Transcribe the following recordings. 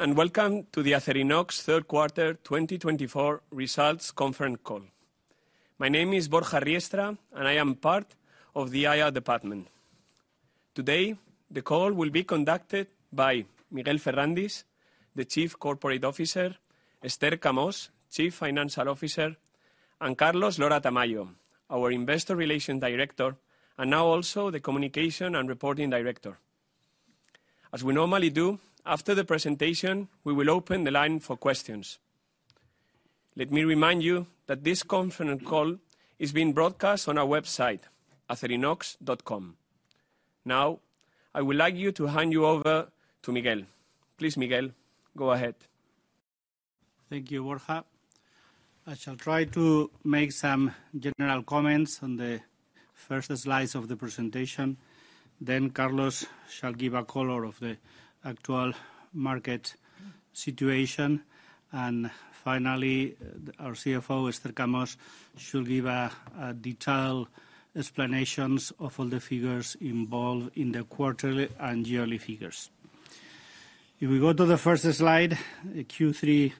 Welcome to the Acerinox third quarter 2024 results conference call. My name is Borja Riestra, and I am part of the IR department. Today, the call will be conducted by Miguel Ferrandis, the Chief Corporate Officer, Esther Camós, Chief Financial Officer, and Carlos Lora-Tamayo, our Investor Relations Director, and now also the Communication and Reporting Director. As we normally do, after the presentation, we will open the line for questions. Let me remind you that this conference call is being broadcast on our website, acerinox.com. Now, I would like to hand you over to Miguel. Please, Miguel, go ahead. Thank you, Borja. I shall try to make some general comments on the first slides of the presentation. Then Carlos shall give a color of the actual market situation. And finally, our CFO, Esther Camós, should give a detailed explanation of all the figures involved in the quarterly and yearly figures. If we go to the first slide, Q3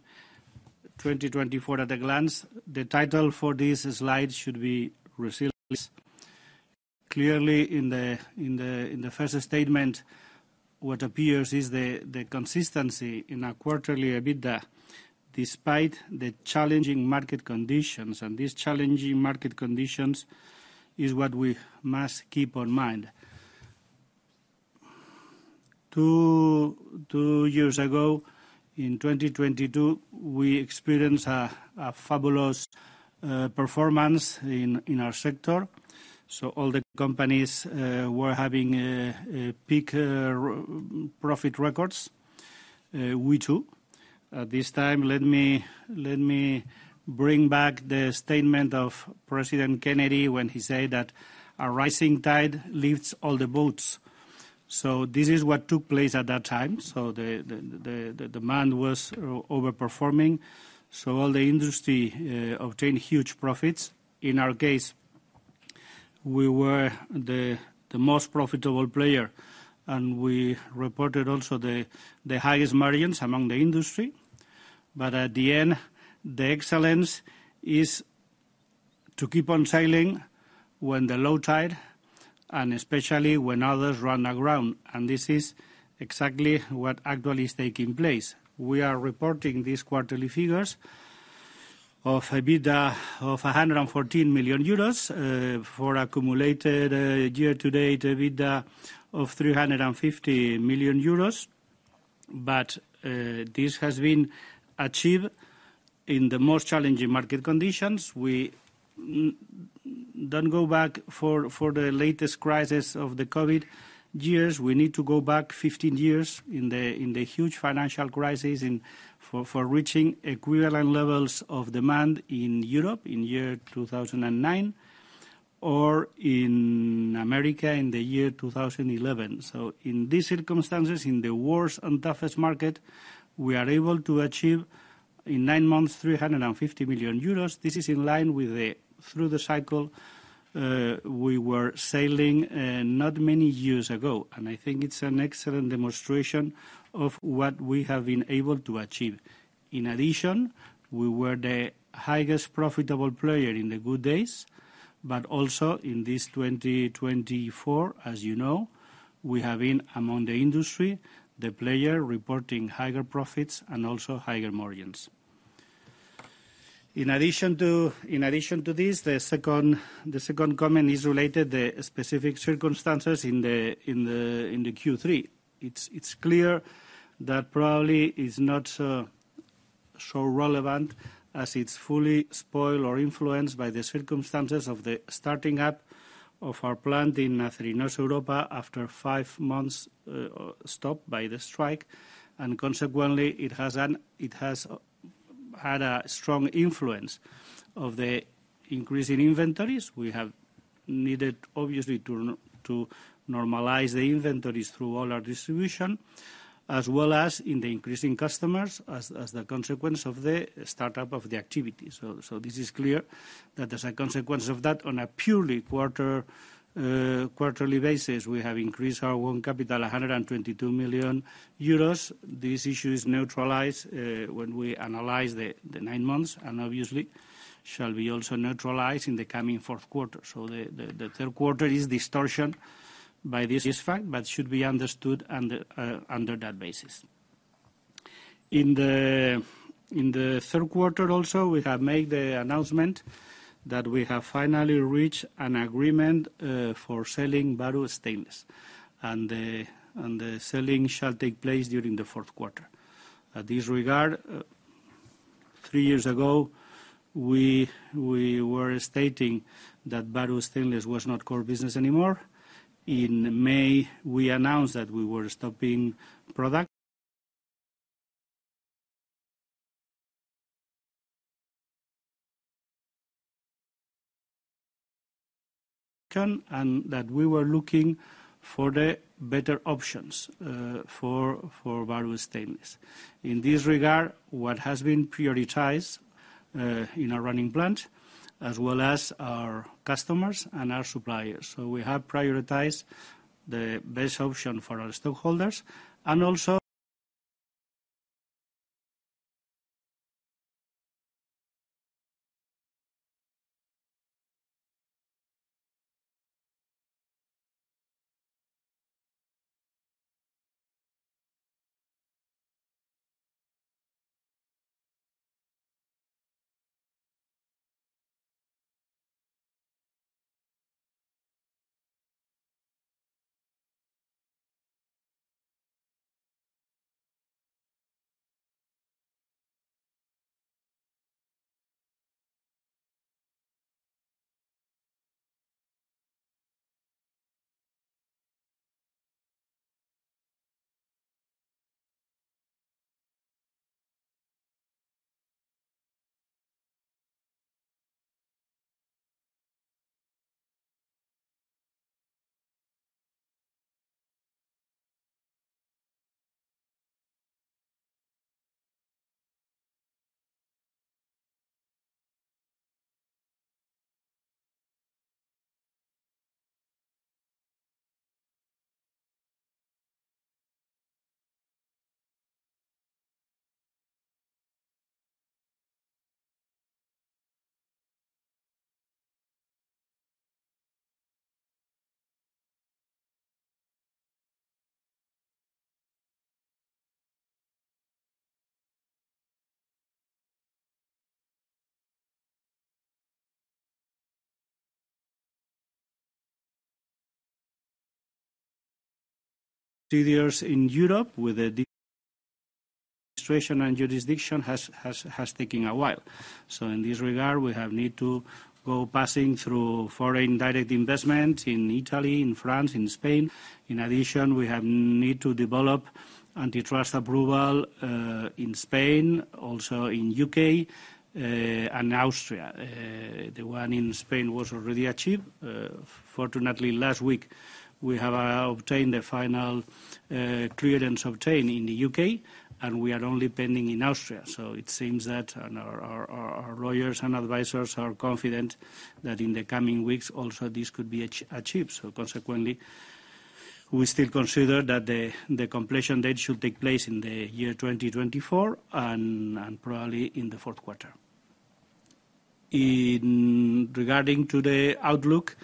2024 at a glance, the title for this slide should be "Resilience." Clearly, in the first statement, what appears is the consistency in a quarterly EBITDA, despite the challenging market conditions. And these challenging market conditions are what we must keep in mind. Two years ago, in 2022, we experienced a fabulous performance in our sector. So all the companies were having peak profit records. We too. At this time, let me bring back the statement of President Kennedy when he said that a rising tide lifts all the boats. So this is what took place at that time. So the demand was overperforming. So all the industry obtained huge profits. In our case, we were the most profitable player. And we reported also the highest margins among the industry. But at the end, the excellence is to keep on sailing when the low tide, and especially when others run aground. And this is exactly what actually is taking place. We are reporting these quarterly figures of EBITDA of 114 million euros for accumulated year-to-date EBITDA of 350 million euros. But this has been achieved in the most challenging market conditions. We don't go back for the latest crisis of the COVID years. We need to go back 15 years in the huge financial crisis for reaching equivalent levels of demand in Europe in the year 2009, or in America in the year 2011. In these circumstances, in the worst and toughest market, we are able to achieve in nine months 350 million euros. This is in line with the cycle we were sailing not many years ago. And I think it's an excellent demonstration of what we have been able to achieve. In addition, we were the highest profitable player in the good days. But also, in this 2024, as you know, we have been among the industry, the player reporting higher profits and also higher margins. In addition to this, the second comment is related to the specific circumstances in the Q3. It's clear that probably it's not so relevant as it's fully spoiled or influenced by the circumstances of the starting up of our plant in Acerinox Europa, after five months stopped by the strike. And consequently, it has had a strong influence on the increase in inventories. We have needed, obviously, to normalize the inventories through all our distribution, as well as in the increase in customers as the consequence of the startup of the activity, so this is clear that there's a consequence of that. On a purely quarterly basis, we have increased our own capital 122 million euros. This issue is neutralized when we analyze the nine months, and obviously shall be also neutralized in the coming fourth quarter, so the third quarter is distorted by this fact, but should be understood under that basis. In the third quarter, also, we have made the announcement that we have finally reached an agreement for selling Bahru Stainless, and the selling shall take place during the fourth quarter. In this regard, three years ago, we were stating that Bahru Stainless was not core business anymore. In May, we announced that we were stopping production and that we were looking for better options for Bahru Stainless. In this regard, we have prioritized our running plant, as well as our customers and our suppliers. So we have prioritized the best option for our stockholders. And also, three years in Europe with the administration and jurisdiction has taken a while. So in this regard, we have needed to go through foreign direct investment in Italy, in France, in Spain. In addition, we have needed to obtain antitrust approval in Spain, also in the U.K., and Austria. The one in Spain was already achieved. Fortunately, last week, we have obtained the final clearance in the U.K., and we are only pending in Austria. So it seems that our lawyers and advisors are confident that in the coming weeks, also, this could be achieved. So consequently, we still consider that the completion date should take place in the year 2024 and probably in the fourth quarter. Regarding to the outlook,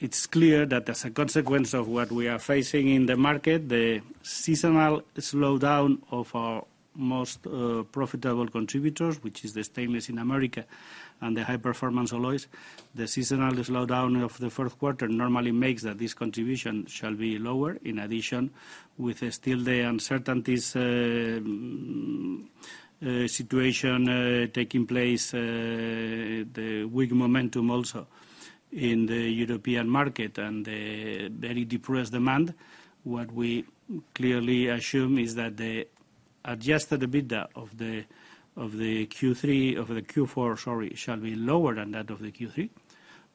it's clear that as a consequence of what we are facing in the market, the seasonal slowdown of our most profitable contributors, which is the stainless in America and the high-performance alloys, the seasonal slowdown of the fourth quarter normally makes that this contribution shall be lower. In addition, with still the uncertain situation taking place, the weak momentum also in the European market, and the very depressed demand, what we clearly assume is that the adjusted EBITDA of the Q4, sorry, shall be lower than that of the Q3.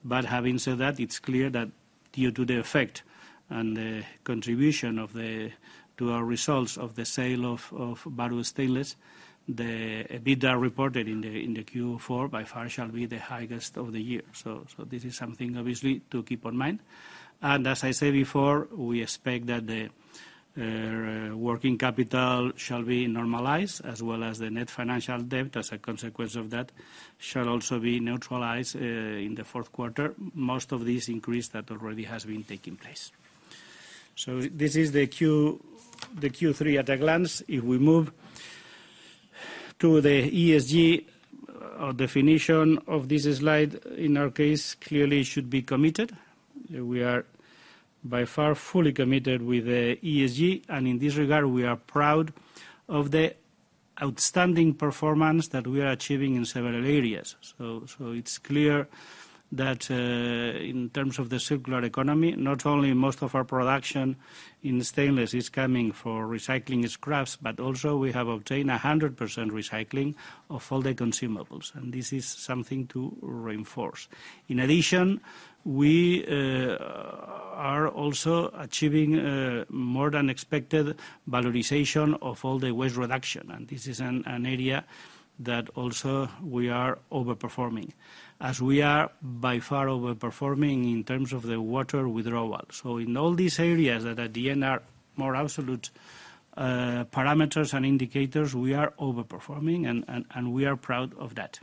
But having said that, it's clear that due to the effect and the contribution to our results of the sale of Bahru Stainless, the EBITDA reported in the Q4 by far shall be the highest of the year. So this is something, obviously, to keep in mind. And as I said before, we expect that the working capital shall be normalized, as well as the net financial debt as a consequence of that shall also be neutralized in the fourth quarter, most of this increase that already has been taking place. So this is the Q3 at a glance. If we move to the ESG definition of this slide, in our case, clearly it should be committed. We are by far fully committed with the ESG. And in this regard, we are proud of the outstanding performance that we are achieving in several areas. It's clear that in terms of the circular economy, not only most of our production in stainless is coming for recycling scraps, but also we have obtained 100% recycling of all the consumables. This is something to reinforce. In addition, we are also achieving more than expected valorization of all the waste reduction. This is an area that also we are overperforming, as we are by far overperforming in terms of the water withdrawal. In all these areas that at the end are more absolute parameters and indicators, we are overperforming, and we are proud of that.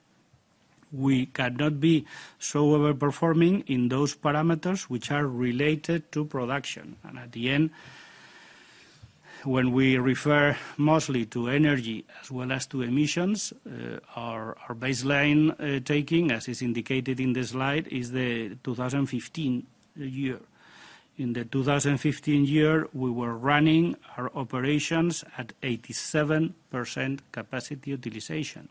We cannot be so overperforming in those parameters which are related to production. At the end, when we refer mostly to energy as well as to emissions, our baseline taking, as is indicated in the slide, is the 2015 year. In the 2015 year, we were running our operations at 87% capacity utilization.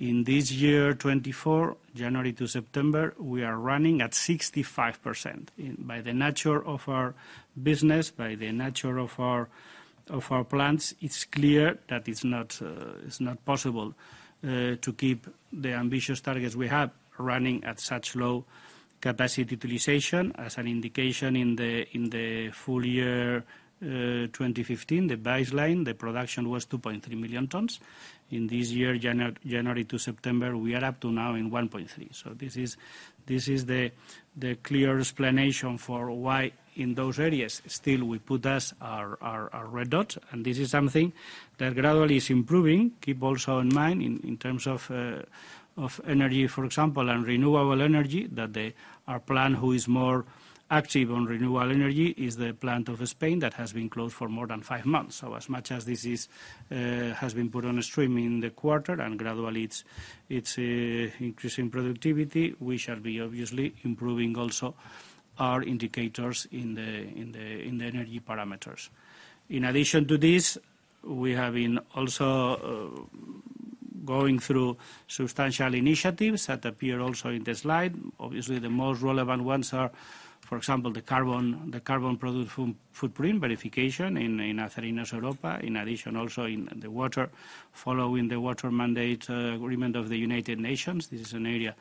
In this year 2024, January to September, we are running at 65%. By the nature of our business, by the nature of our plants, it's clear that it's not possible to keep the ambitious targets we have running at such low-capacity utilization. As an indication in the full year 2015, the baseline, the production was 2.3 million tons. In this year, January to September, we are up to now in 1.3. So, this is the clear explanation for why in those areas still we put as our red dot, and this is something that gradually is improving. Keep also in mind in terms of energy, for example, and renewable energy, that our plant who is more active on renewable energy is the plant of Spain that has been closed for more than five months. So as much as this has been put on stream in the quarter and gradually it's increasing productivity, we shall be obviously improving also our indicators in the energy parameters. In addition to this, we have been also going through substantial initiatives that appear also in the slide. Obviously, the most relevant ones are, for example, the carbon footprint verification in Acerinox Europa. In addition, also in the water, following the Water Mandate agreement of the United Nations. This is an area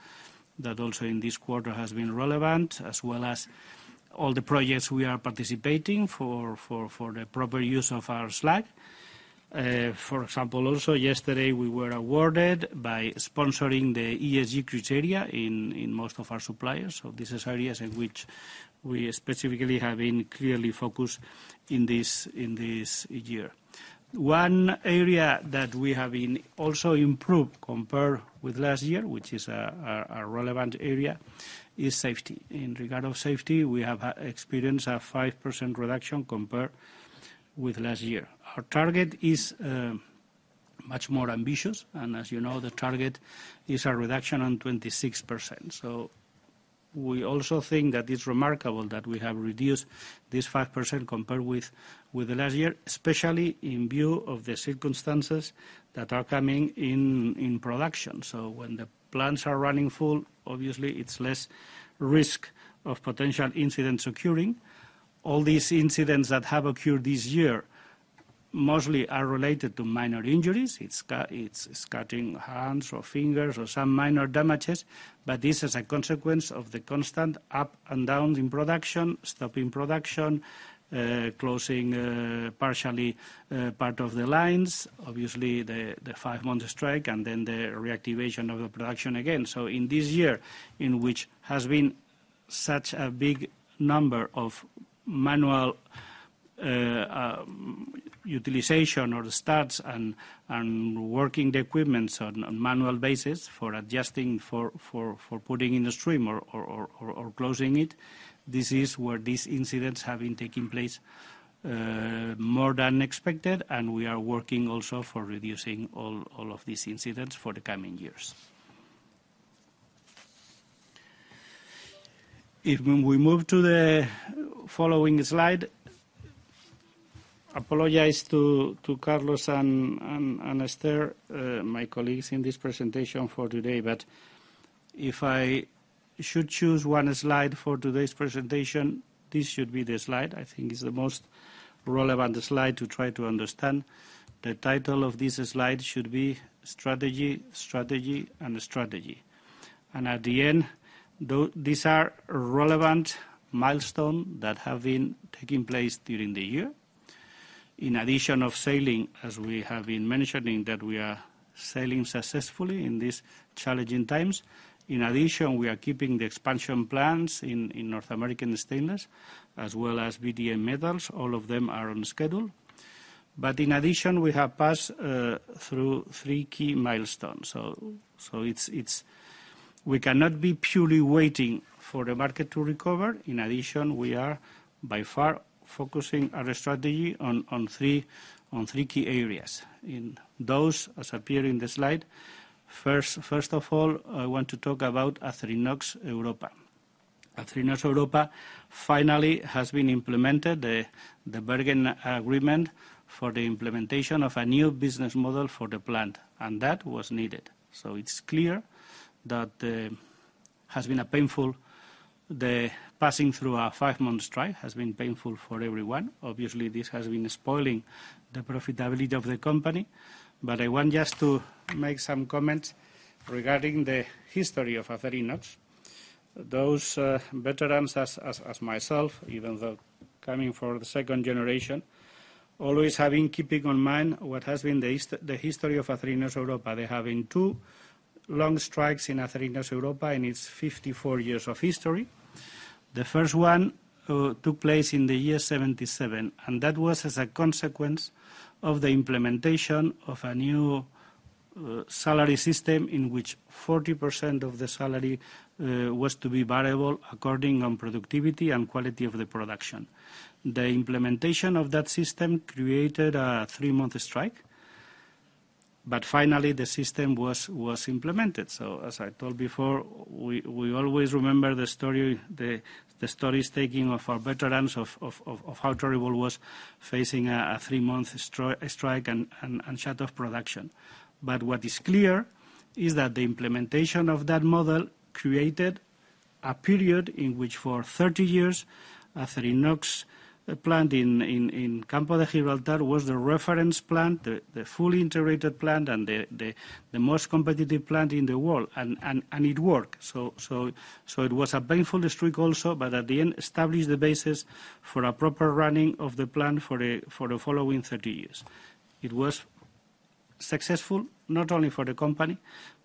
that also in this quarter has been relevant, as well as all the projects we are participating for the proper use of our sites. For example, also yesterday, we were awarded by sponsoring the ESG criteria in most of our suppliers. So these are areas in which we specifically have been clearly focused in this year. One area that we have also improved, compared with last year, which is a relevant area, is safety. In regard to safety, we have experienced a 5% reduction compared with last year. Our target is much more ambitious, and as you know, the target is a reduction of 26%. We also think that it's remarkable that we have reduced this 5% compared with the last year, especially in view of the circumstances that are coming in production, so when the plants are running full, obviously, it's less risk of potential incidents occurring. All these incidents that have occurred this year mostly are related to minor injuries. It's cutting hands or fingers or some minor damages, but this is a consequence of the constant up and down in production, stopping production, closing partially part of the lines, obviously the five-month strike, and then the reactivation of the production again. In this year, in which has been such a big number of manual utilization or starts and working the equipment on a manual basis for adjusting, for putting in the stream or closing it, this is where these incidents have been taking place more than expected. And we are working also for reducing all of these incidents for the coming years. If we move to the following slide, I apologize to Carlos and Esther, my colleagues, in this presentation for today. But if I should choose one slide for today's presentation, this should be the slide. I think it's the most relevant slide to try to understand. The title of this slide should be Strategy, Strategy, and Strategy. And at the end, these are relevant milestones that have been taking place during the year. In addition to sailing, as we have been mentioning, that we are sailing successfully in these challenging times. In addition, we are keeping the expansion plans in North American Stainless, as well as VDM Metals. All of them are on schedule. But in addition, we have passed through three key milestones. So we cannot be purely waiting for the market to recover. In addition, we are by far focusing our strategy on three key areas. In those, as they appear in the slide, first of all, I want to talk about Acerinox Europa. Acerinox Europa finally has implemented the bargaining agreement for the implementation of a new business model for the plant. And that was needed. So it's clear that there has been a painful passing through a five-month strike that has been painful for everyone. Obviously, this has been spoiling the profitability of the company. But I want just to make some comments regarding the history of Acerinox. Those veterans, as myself, even though coming for the second generation, always having keeping in mind what has been the history of Acerinox Europa. They have been two long strikes in Acerinox Europa, in its 54 years of history. The first one took place in the year 1977. And that was as a consequence of the implementation of a new salary system in which 40% of the salary was to be variable according to productivity and quality of the production. The implementation of that system created a three-month strike. But finally, the system was implemented. So as I told before, we always remember the story taking of our veterans of how terrible it was facing a three-month strike and shut-off production. But what is clear is that the implementation of that model created a period in which, for 30 years, Acerinox, the plant in Campo de Gibraltar, was the reference plant, the fully integrated plant, and the most competitive plant in the world. And it worked. So it was a painful strike also, but at the end, established the basis for a proper running of the plant for the following 30 years. It was successful not only for the company,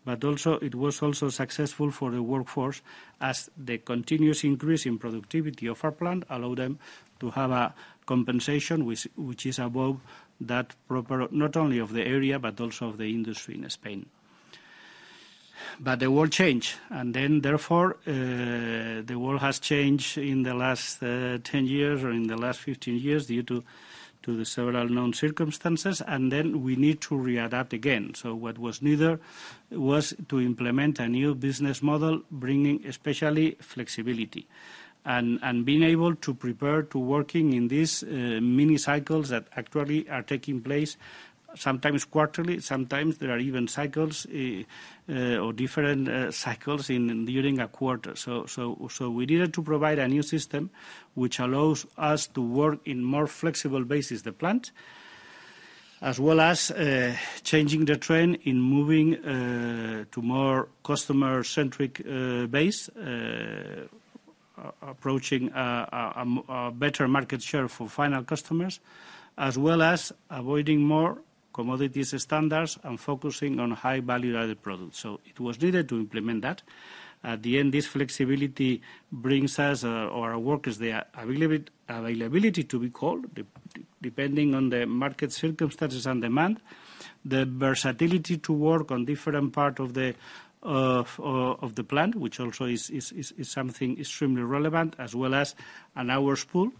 but also it was also successful for the workforce as the continuous increase in productivity of our plant allowed them to have a compensation which is above that proper, not only of the area, but also of the industry in Spain. But the world changed. And then therefore, the world has changed in the last 10 years or in the last 15 years due to the several known circumstances. And then we need to readapt again. So what was needed was to implement a new business model bringing especially flexibility and being able to prepare to working in these mini cycles that actually are taking place sometimes quarterly. Sometimes there are even cycles or different cycles during a quarter. So we needed to provide a new system which allows us to work in more flexible basis, the plant, as well as changing the trend in moving to more customer-centric base, approaching a better market share for final customers, as well as avoiding more commodities standards and focusing on high-value-added products. So it was needed to implement that. At the end, this flexibility brings us or our workers the availability to be called, depending on the market circumstances and demand, the versatility to work on different parts of the plant, which also is something extremely relevant, as well as an hours pool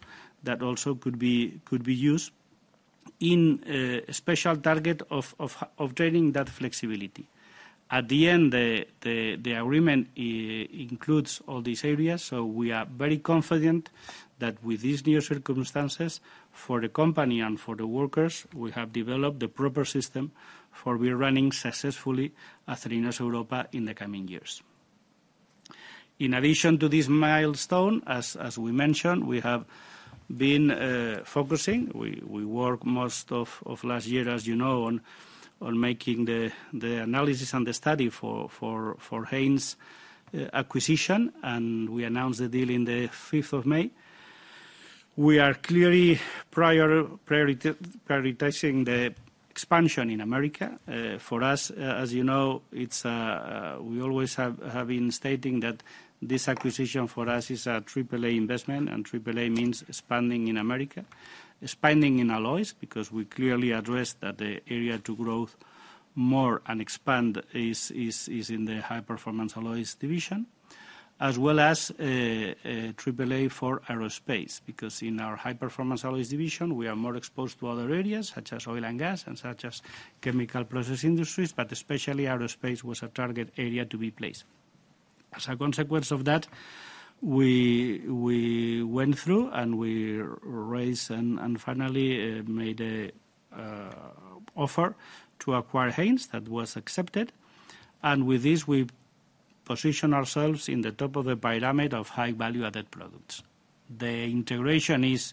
that also could be used in a special target of training that flexibility. At the end, the agreement includes all these areas. So we are very confident that with these new circumstances for the company and for the workers, we have developed the proper system for we are running successfully Acerinox Europa in the coming years. In addition to this milestone, as we mentioned, we have been focusing. We worked most of last year, as you know, on making the analysis and the study for Haynes acquisition. And we announced the deal in the 5th of May. We are clearly prioritizing the expansion in America. For us, as you know, we always have been stating that this acquisition for us is a AAA investment. AAA means spending in America, spending in alloys, because we clearly addressed that the area to grow more and expand is in the high-performance alloys division, as well as AAA for aerospace, because in our high-performance alloys division, we are more exposed to other areas such as oil and gas and such as chemical process industries, but especially aerospace was a target area to be placed. As a consequence of that, we went through and we raised and finally made an offer to acquire Haynes that was accepted, and with this, we position ourselves in the top of the pyramid of high-value-added products. The integration is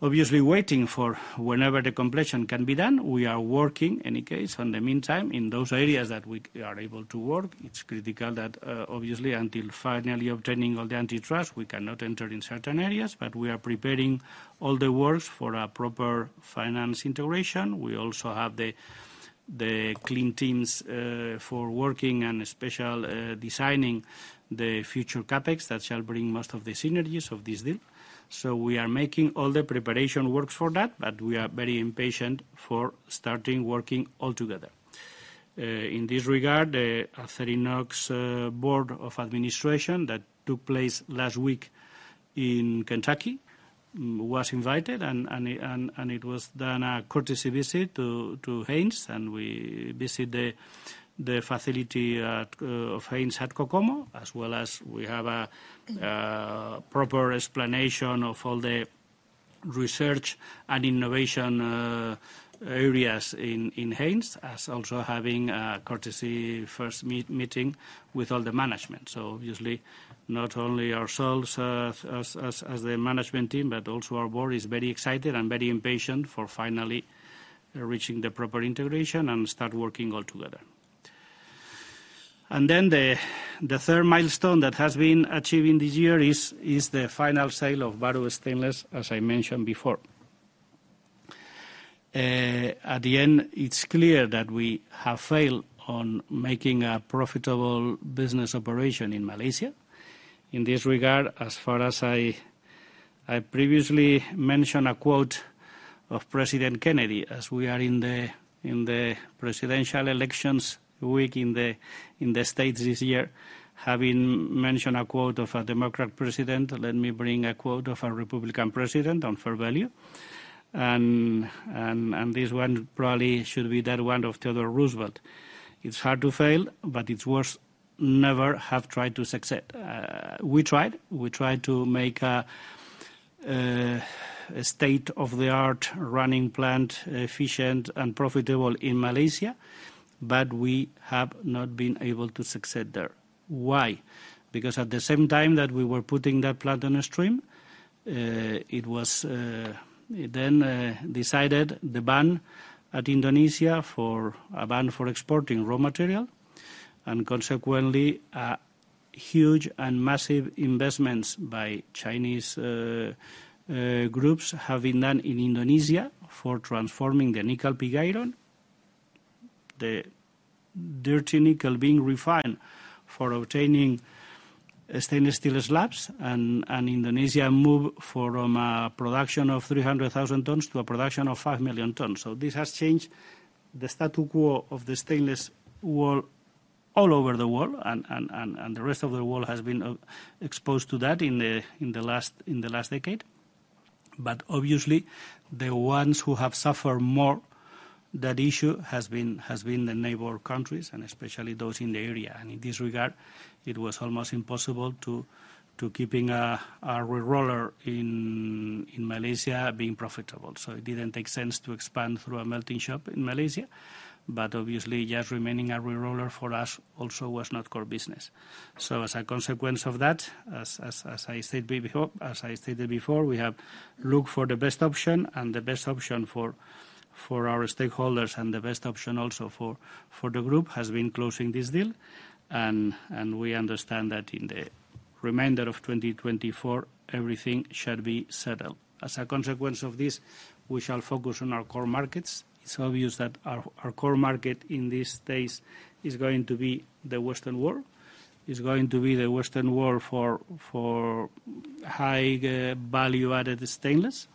obviously waiting for whenever the completion can be done. We are working, in any case, in the meantime in those areas that we are able to work. It's critical that obviously until finally obtaining all the antitrust, we cannot enter in certain areas, but we are preparing all the works for a proper finance integration. We also have the clean teams for working and special designing the future CapEx that shall bring most of the synergies of this deal. So we are making all the preparation works for that, but we are very impatient for starting working all together. In this regard, the Acerinox board of administration that took place last week in Kentucky was invited, and it was done a courtesy visit to Haynes. We visited the facility of Haynes at Kokomo, as well as we have a proper explanation of all the research and innovation areas in Haynes, as also having a courtesy first meeting with all the management. Obviously, not only ourselves as the management team, but also our board is very excited and very impatient for finally reaching the proper integration and start working all together. The third milestone that has been achieved in this year is the final sale of Bahru Stainless, as I mentioned before. At the end, it's clear that we have failed on making a profitable business operation in Malaysia. In this regard, as far as I previously mentioned a quote of President Kennedy, as we are in the presidential elections week in the States this year, having mentioned a quote of a Democrat president, let me bring a quote of a Republican president on fair value, and this one probably should be that one of Theodore Roosevelt. It's hard to fail, but it's worse to never have tried to succeed. We tried. We tried to make a state-of-the-art running plant efficient and profitable in Malaysia, but we have not been able to succeed there. Why? Because at the same time that we were putting that plant on stream, it was then decided, the ban in Indonesia, a ban on exporting raw material. And consequently, huge and massive investments by Chinese groups have been done in Indonesia for transforming the nickel pig iron, the dirty nickel being refined for obtaining stainless steel slabs. And Indonesia moved from a production of 300,000 tons to a production of 5 million tons. So this has changed the status quo of the stainless world all over the world. And the rest of the world has been exposed to that in the last decade. But obviously, the ones who have suffered more. That issue has been the neighbor countries and especially those in the area. And in this regard, it was almost impossible to keep a reroller in Malaysia being profitable. So it didn't make sense to expand through a melting shop in Malaysia. But obviously, just remaining a reroller for us also was not core business. So as a consequence of that, as I stated before, we have looked for the best option. And the best option for our stakeholders and the best option also for the group has been closing this deal. And we understand that in the remainder of 2024, everything shall be settled. As a consequence of this, we shall focus on our core markets. It's obvious that our core market in these days is going to be the Western world. It's going to be the Western world for high-value-added stainless.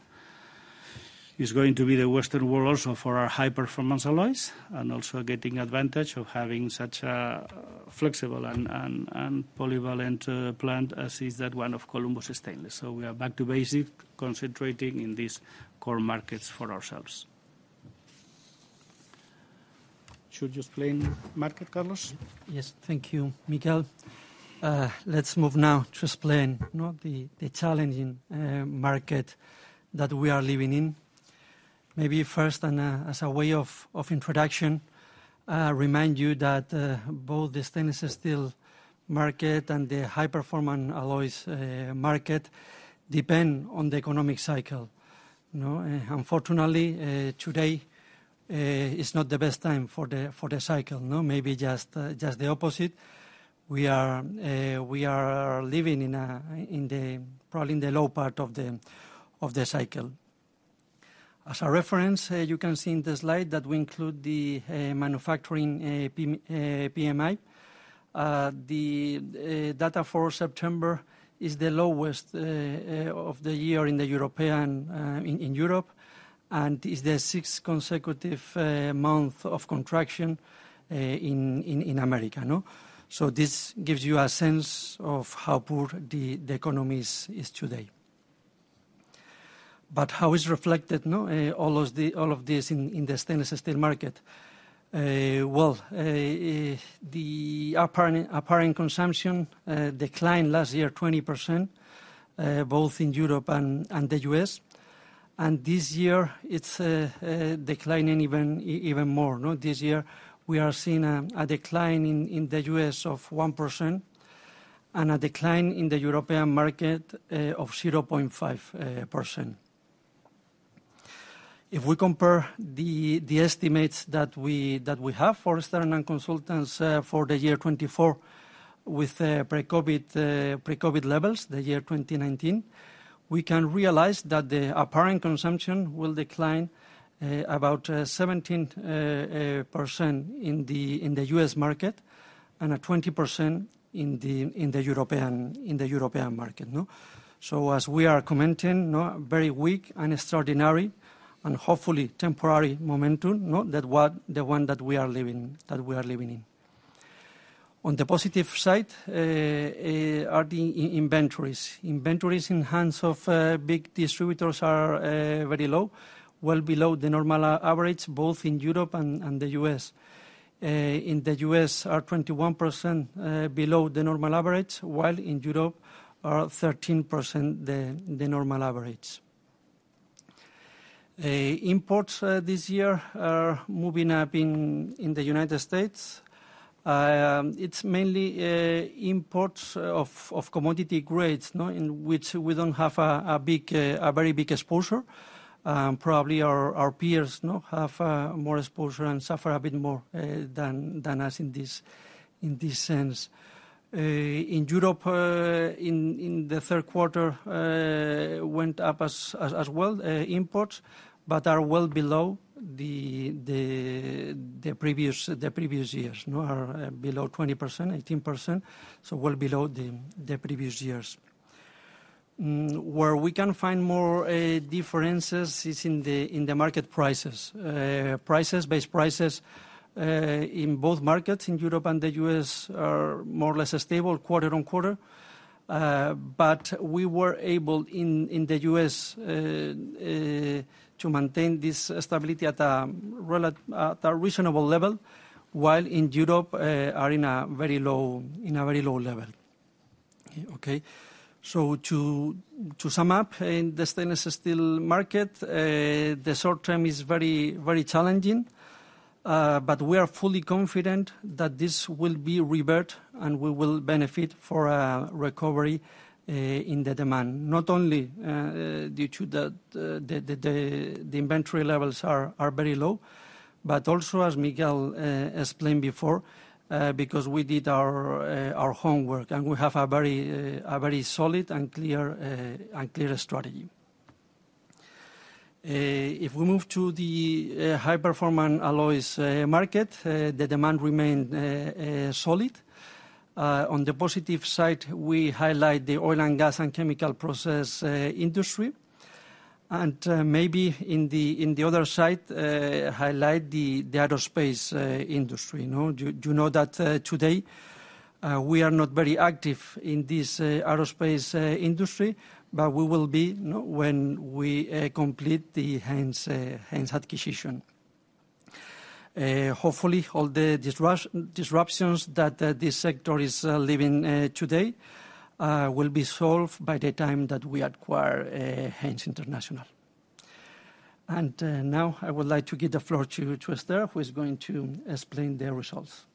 It's going to be the Western world also for our high-performance alloys. And also getting advantage of having such a flexible and polyvalent plant as is that one of Columbus Stainless. So we are back to basic, concentrating in these core markets for ourselves. Should you explain market, Carlos? Yes. Thank you, Miguel. Let's move now to explain the challenging market that we are living in. Maybe first, as a way of introduction, remind you that both the stainless-steel market and the high-performance alloys market depend on the economic cycle. Unfortunately, today is not the best time for the cycle. Maybe just the opposite. We are living probably in the low part of the cycle. As a reference, you can see in the slide that we include the manufacturing PMI. The data for September is the lowest of the year in Europe and is the sixth consecutive month of contraction in America. So this gives you a sense of how poor the economy is today. But how is reflected all of this in the stainless-steel market? Well, the apparent consumption declined last year 20%, both in Europe and the US. And this year, it's declining even more. This year, we are seeing a decline in the U.S. of 1% and a decline in the European market of 0.5%. If we compare the estimates that we have for external consultants for the year 2024 with pre-COVID levels, the year 2019, we can realize that the apparent consumption will decline about 17% in the U.S. market and 20% in the European market. As we are commenting, very weak and extraordinary and hopefully temporary momentum than the one that we are living in. On the positive side are the inventories. Inventories in hands of big distributors are very low, well below the normal average, both in Europe and the U.S. In the U.S., are 21% below the normal average, while in Europe are 13% the normal average. Imports this year are moving up in the United States. It's mainly imports of commodity grades in which we don't have a very big exposure. Probably our peers have more exposure and suffer a bit more than us in this sense. In Europe, in the third quarter, went up as well imports, but are well below the previous years, are below 20%, 18%, so well below the previous years. Where we can find more differences is in the market prices. Prices, base prices in both markets in Europe and the U.S. are more or less stable quarter on quarter. But we were able in the U.S. to maintain this stability at a reasonable level, while in Europe are in a very low level. Okay. So to sum up in the stainless-steel market, the short term is very challenging. But we are fully confident that this will revert and we will benefit from a recovery in the demand, not only due to the inventory levels are very low, but also, as Miguel explained before, because we did our homework and we have a very solid and clear strategy. If we move to the high-performance alloys market, the demand remained solid. On the positive side, we highlight the oil and gas and chemical process industry. And maybe on the other side, highlight the aerospace industry. You know that today we are not very active in this aerospace industry, but we will be when we complete the Haynes acquisition. Hopefully, all the disruptions that this sector is living today will be solved by the time that we acquire Haynes International. And now I would like to give the floor to Esther, who is going to explain the results.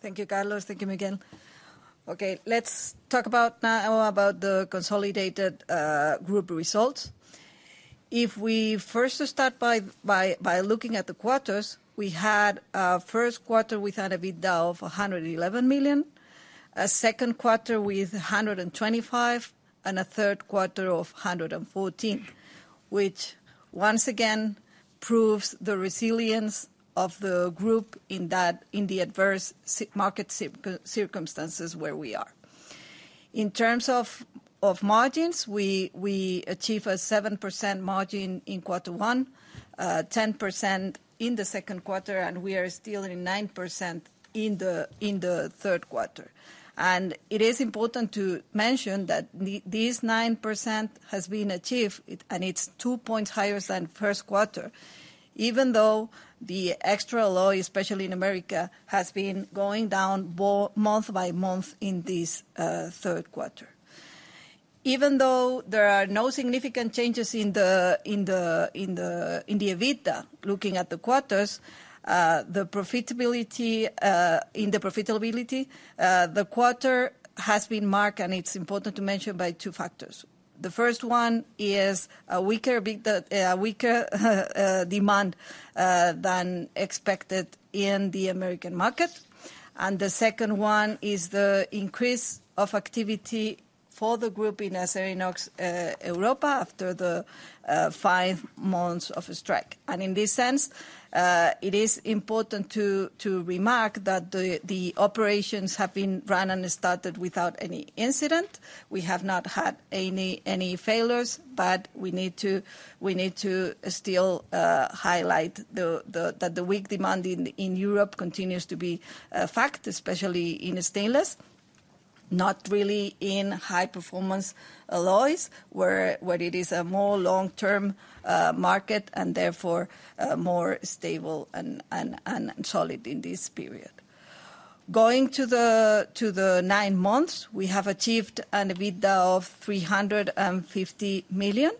Thank you, Carlos. Thank you, Miguel. Okay. Let's talk now about the consolidated group results. If we first start by looking at the quarters, we had a first quarter with an EBITDA of 111 million, a second quarter with 125 million, and a third quarter of 114 million, which once again proves the resilience of the group in the adverse market circumstances where we are. In terms of margins, we achieved a 7% margin in quarter one, 10% in the second quarter, and we are still in 9% in the third quarter. It is important to mention that this 9% has been achieved, and it's two points higher than first quarter, even though the alloy surcharge, especially in America, has been going down month by month in this third quarter. Even though there are no significant changes in the EBITDA, looking at the quarters, the profitability in the quarter has been marked, and it's important to mention, by two factors. The first one is a weaker demand than expected in the American market. The second one is the increase of activity for the group in Acerinox Europa after the five months of strike. In this sense, it is important to remark that the operations have been run and started without any incident. We have not had any failures, but we need to still highlight that the weak demand in Europe continues to be a fact, especially in stainless, not really in high-performance alloys, where it is a more long-term market and therefore more stable and solid in this period. Going to the nine months, we have achieved an EBITDA of 350 million.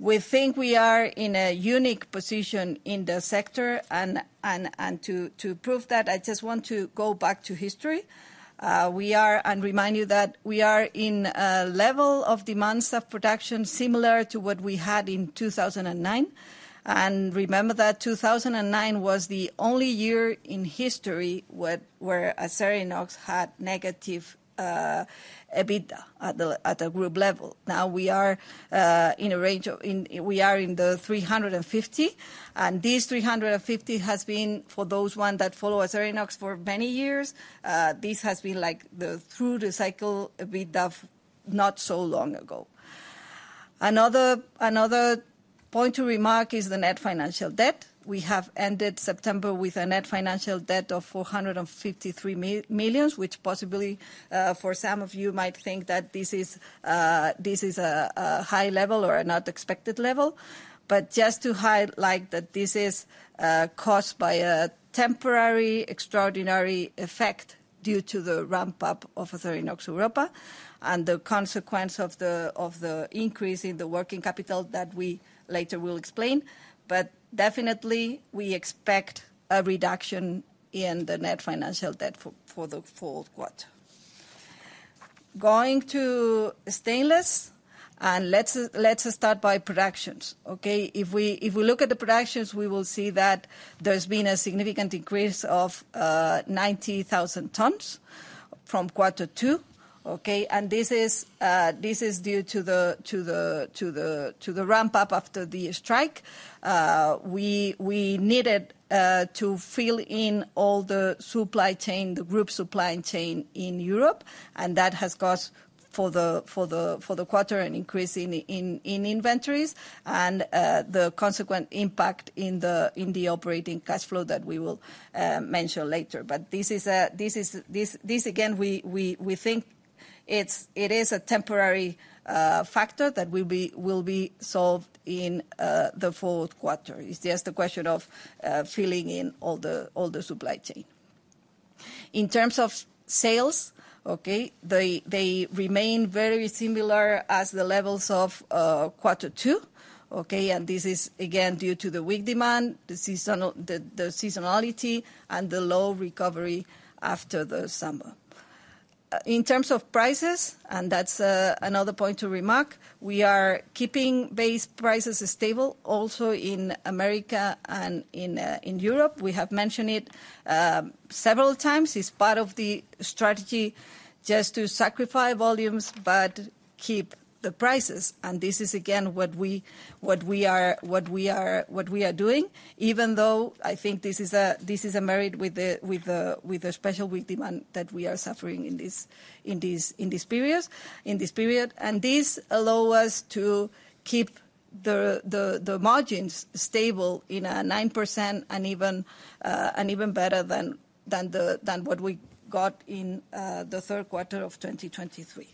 We think we are in a unique position in the sector. And to prove that, I just want to go back to history. And remind you that we are in a level of demand self-production similar to what we had in 2009. And remember that 2009 was the only year in history where Acerinox had negative EBITDA at the group level. Now we are in a range of in the 350 million. And this 350 million has been for those ones that follow Acerinox for many years. This has been like through the cycle EBITDA not so long ago. Another point to remark is the net financial debt. We have ended September with a net financial debt of 453 million, which possibly for some of you might think that this is a high level or an unexpected level. But just to highlight that this is caused by a temporary extraordinary effect due to the ramp-up of Acerinox Europa and the consequence of the increase in the working capital that we later will explain. But definitely, we expect a reduction in the net financial debt for the fourth quarter. Going to stainless, and let's start by productions. Okay. If we look at the productions, we will see that there's been a significant increase of 90,000 tons from quarter two. Okay. And this is due to the ramp-up after the strike. We needed to fill in all the supply chain, the group supply chain in Europe. And that has caused for the quarter an increase in inventories and the consequent impact in the operating cash flow that we will mention later. But this is, again, we think it is a temporary factor that will be solved in the fourth quarter. It's just a question of filling in all the supply chain. In terms of sales, okay, they remain very similar as the levels of quarter two. Okay. And this is, again, due to the weak demand, the seasonality, and the low recovery after the summer. In terms of prices, and that's another point to remark, we are keeping base prices stable also in America and in Europe. We have mentioned it several times. It's part of the strategy just to sacrifice volumes but keep the prices. And this is, again, what we are doing, even though I think this is amid the especially weak demand that we are suffering in this period. And this allows us to keep the margins stable in a 9% and even better than what we got in the third quarter of 2023.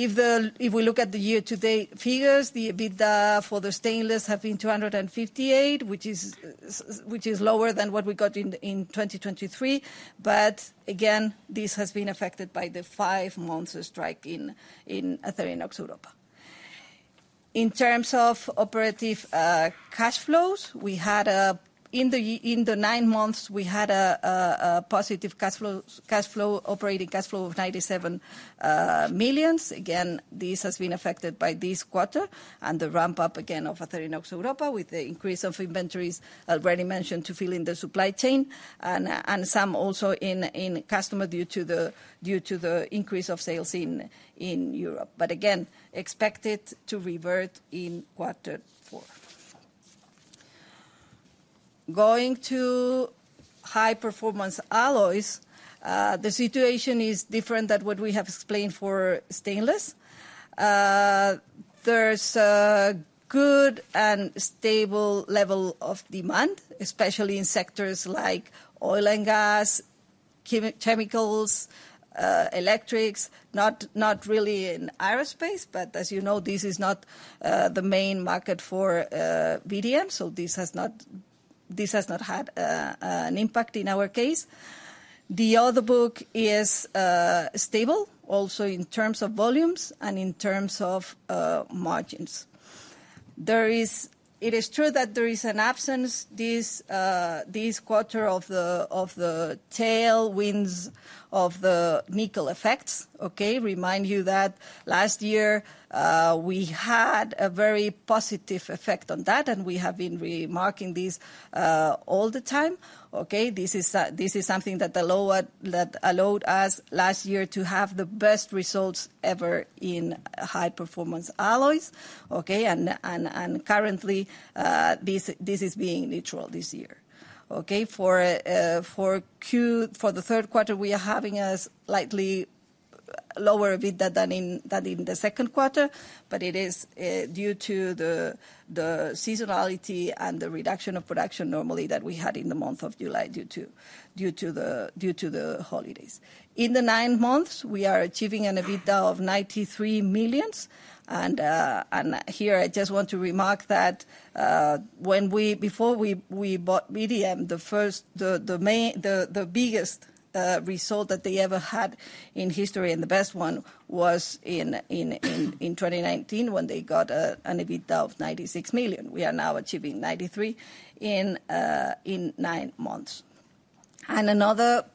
If we look at the year-to-date figures, the EBITDA for the stainless have been 258 million, which is lower than what we got in 2023. But again, this has been affected by the five months of strike in Acerinox Europa. In terms of operating cash flows, we had in the nine months, we had a positive cash flow, operating cash flow of 97 million. Again, this has been affected by this quarter and the ramp-up again of Acerinox Europa with the increase of inventories already mentioned to fill in the supply chain and some also in customer due to the increase of sales in Europe. But again, expected to revert in quarter four. Going to high-performance alloys, the situation is different than what we have explained for stainless. There's a good and stable level of demand, especially in sectors like oil and gas, chemicals, electrics, not really in aerospace. But as you know, this is not the main market for VDM, so this has not had an impact in our case. The other book is stable also in terms of volumes and in terms of margins. It is true that there is an absence this quarter of the tailwinds of the nickel effects. Okay. Remind you that last year we had a very positive effect on that, and we have been remarking this all the time. Okay. This is something that allowed us last year to have the best results ever in high-performance alloys. Okay. And currently, this is being neutral this year. Okay. For the third quarter, we are having a slightly lower EBITDA than in the second quarter, but it is due to the seasonality and the reduction of production normally that we had in the month of July due to the holidays. In the nine months, we are achieving an EBITDA of 93 million. And here, I just want to remark that before we bought VDM, the biggest result that they ever had in history and the best one was in 2019 when they got an EBITDA of 96 million. We are now achieving 93 million in nine months. And the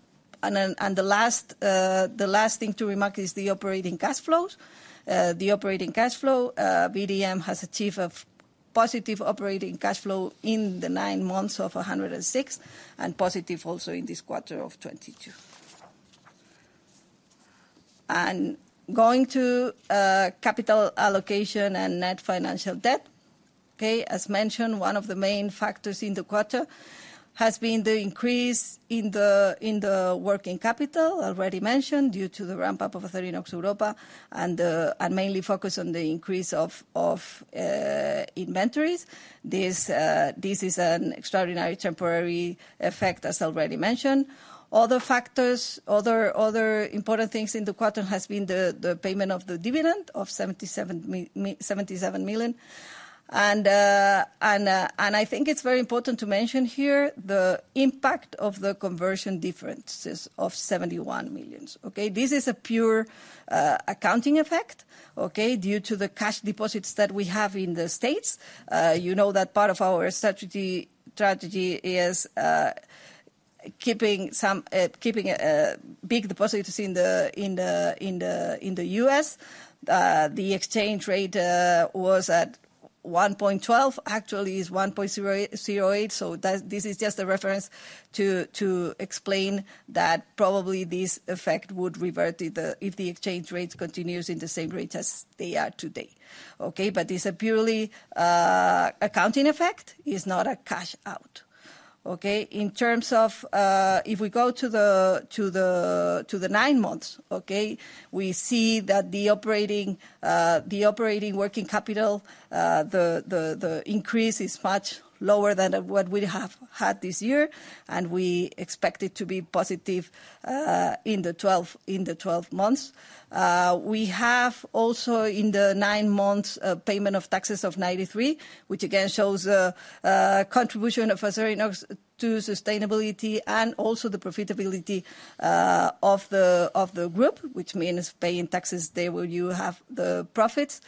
last thing to remark is the operating cash flows. The operating cash flow, VDM has achieved a positive operating cash flow in the nine months of 106 million and positive also in this quarter of 2022. And going to capital allocation and net financial debt. Okay. As mentioned, one of the main factors in the quarter has been the increase in the working capital already mentioned due to the ramp-up of Acerinox Europa and mainly focus on the increase of inventories. This is an extraordinary temporary effect, as already mentioned. Other factors, other important things in the quarter has been the payment of the dividend of 77 million, and I think it's very important to mention here the impact of the conversion differences of 71 millions. Okay. This is a pure accounting effect, okay, due to the cash deposits that we have in the States. You know that part of our strategy is keeping big deposits in the US. The exchange rate was at 1.12. Actually, it's 1.08. So this is just a reference to explain that probably this effect would revert if the exchange rate continues in the same rate as they are today. Okay. But it's a purely accounting effect. It's not a cash out. Okay. In terms of if we go to the nine months, okay, we see that the operating working capital, the increase is much lower than what we have had this year, and we expect it to be positive in the 12 months. We have also in the nine months payment of taxes of 93 million, which again shows the contribution of Acerinox to sustainability and also the profitability of the group, which means paying taxes there where you have the profits.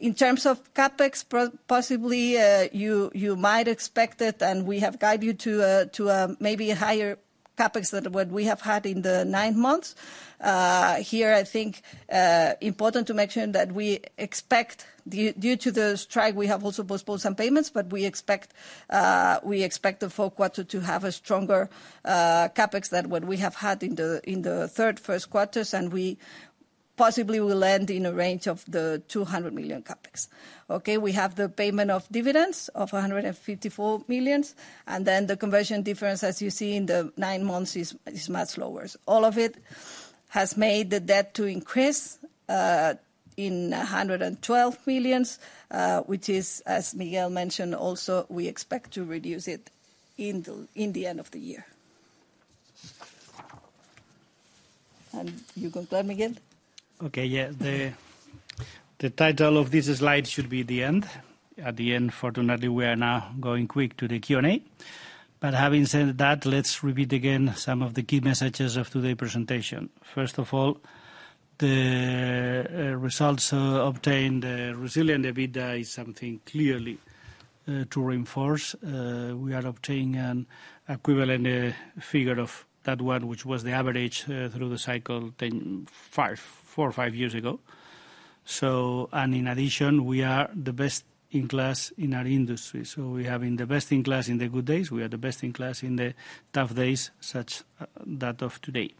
In terms of CapEx, possibly you might expect it, and we have guided you to maybe a higher CapEx than what we have had in the nine months. Here, I think important to mention that we expect due to the strike, we have also postponed some payments, but we expect the fourth quarter to have a stronger CapEx than what we have had in the third, first quarters, and we possibly will end in a range of 200 million CapEx. Okay. We have the payment of dividends of 154 million, and then the conversion difference, as you see in the nine months, is much lower. All of it has made the debt to increase in 112 million, which is, as Miguel mentioned, also we expect to reduce it in the end of the year. And you conclude, Miguel. Okay. Yeah. The title of this slide should be the end. At the end, fortunately, we are now going quick to the Q&A. But having said that, let's repeat again some of the key messages of today's presentation. First of all, the results obtained. The resilient EBITDA is something clearly to reinforce. We are obtaining an equivalent figure of that one, which was the average through the cycle four or five years ago. And in addition, we are the best in class in our industry. So we are having the best in class in the good days. We are the best in class in the tough days, such that of today.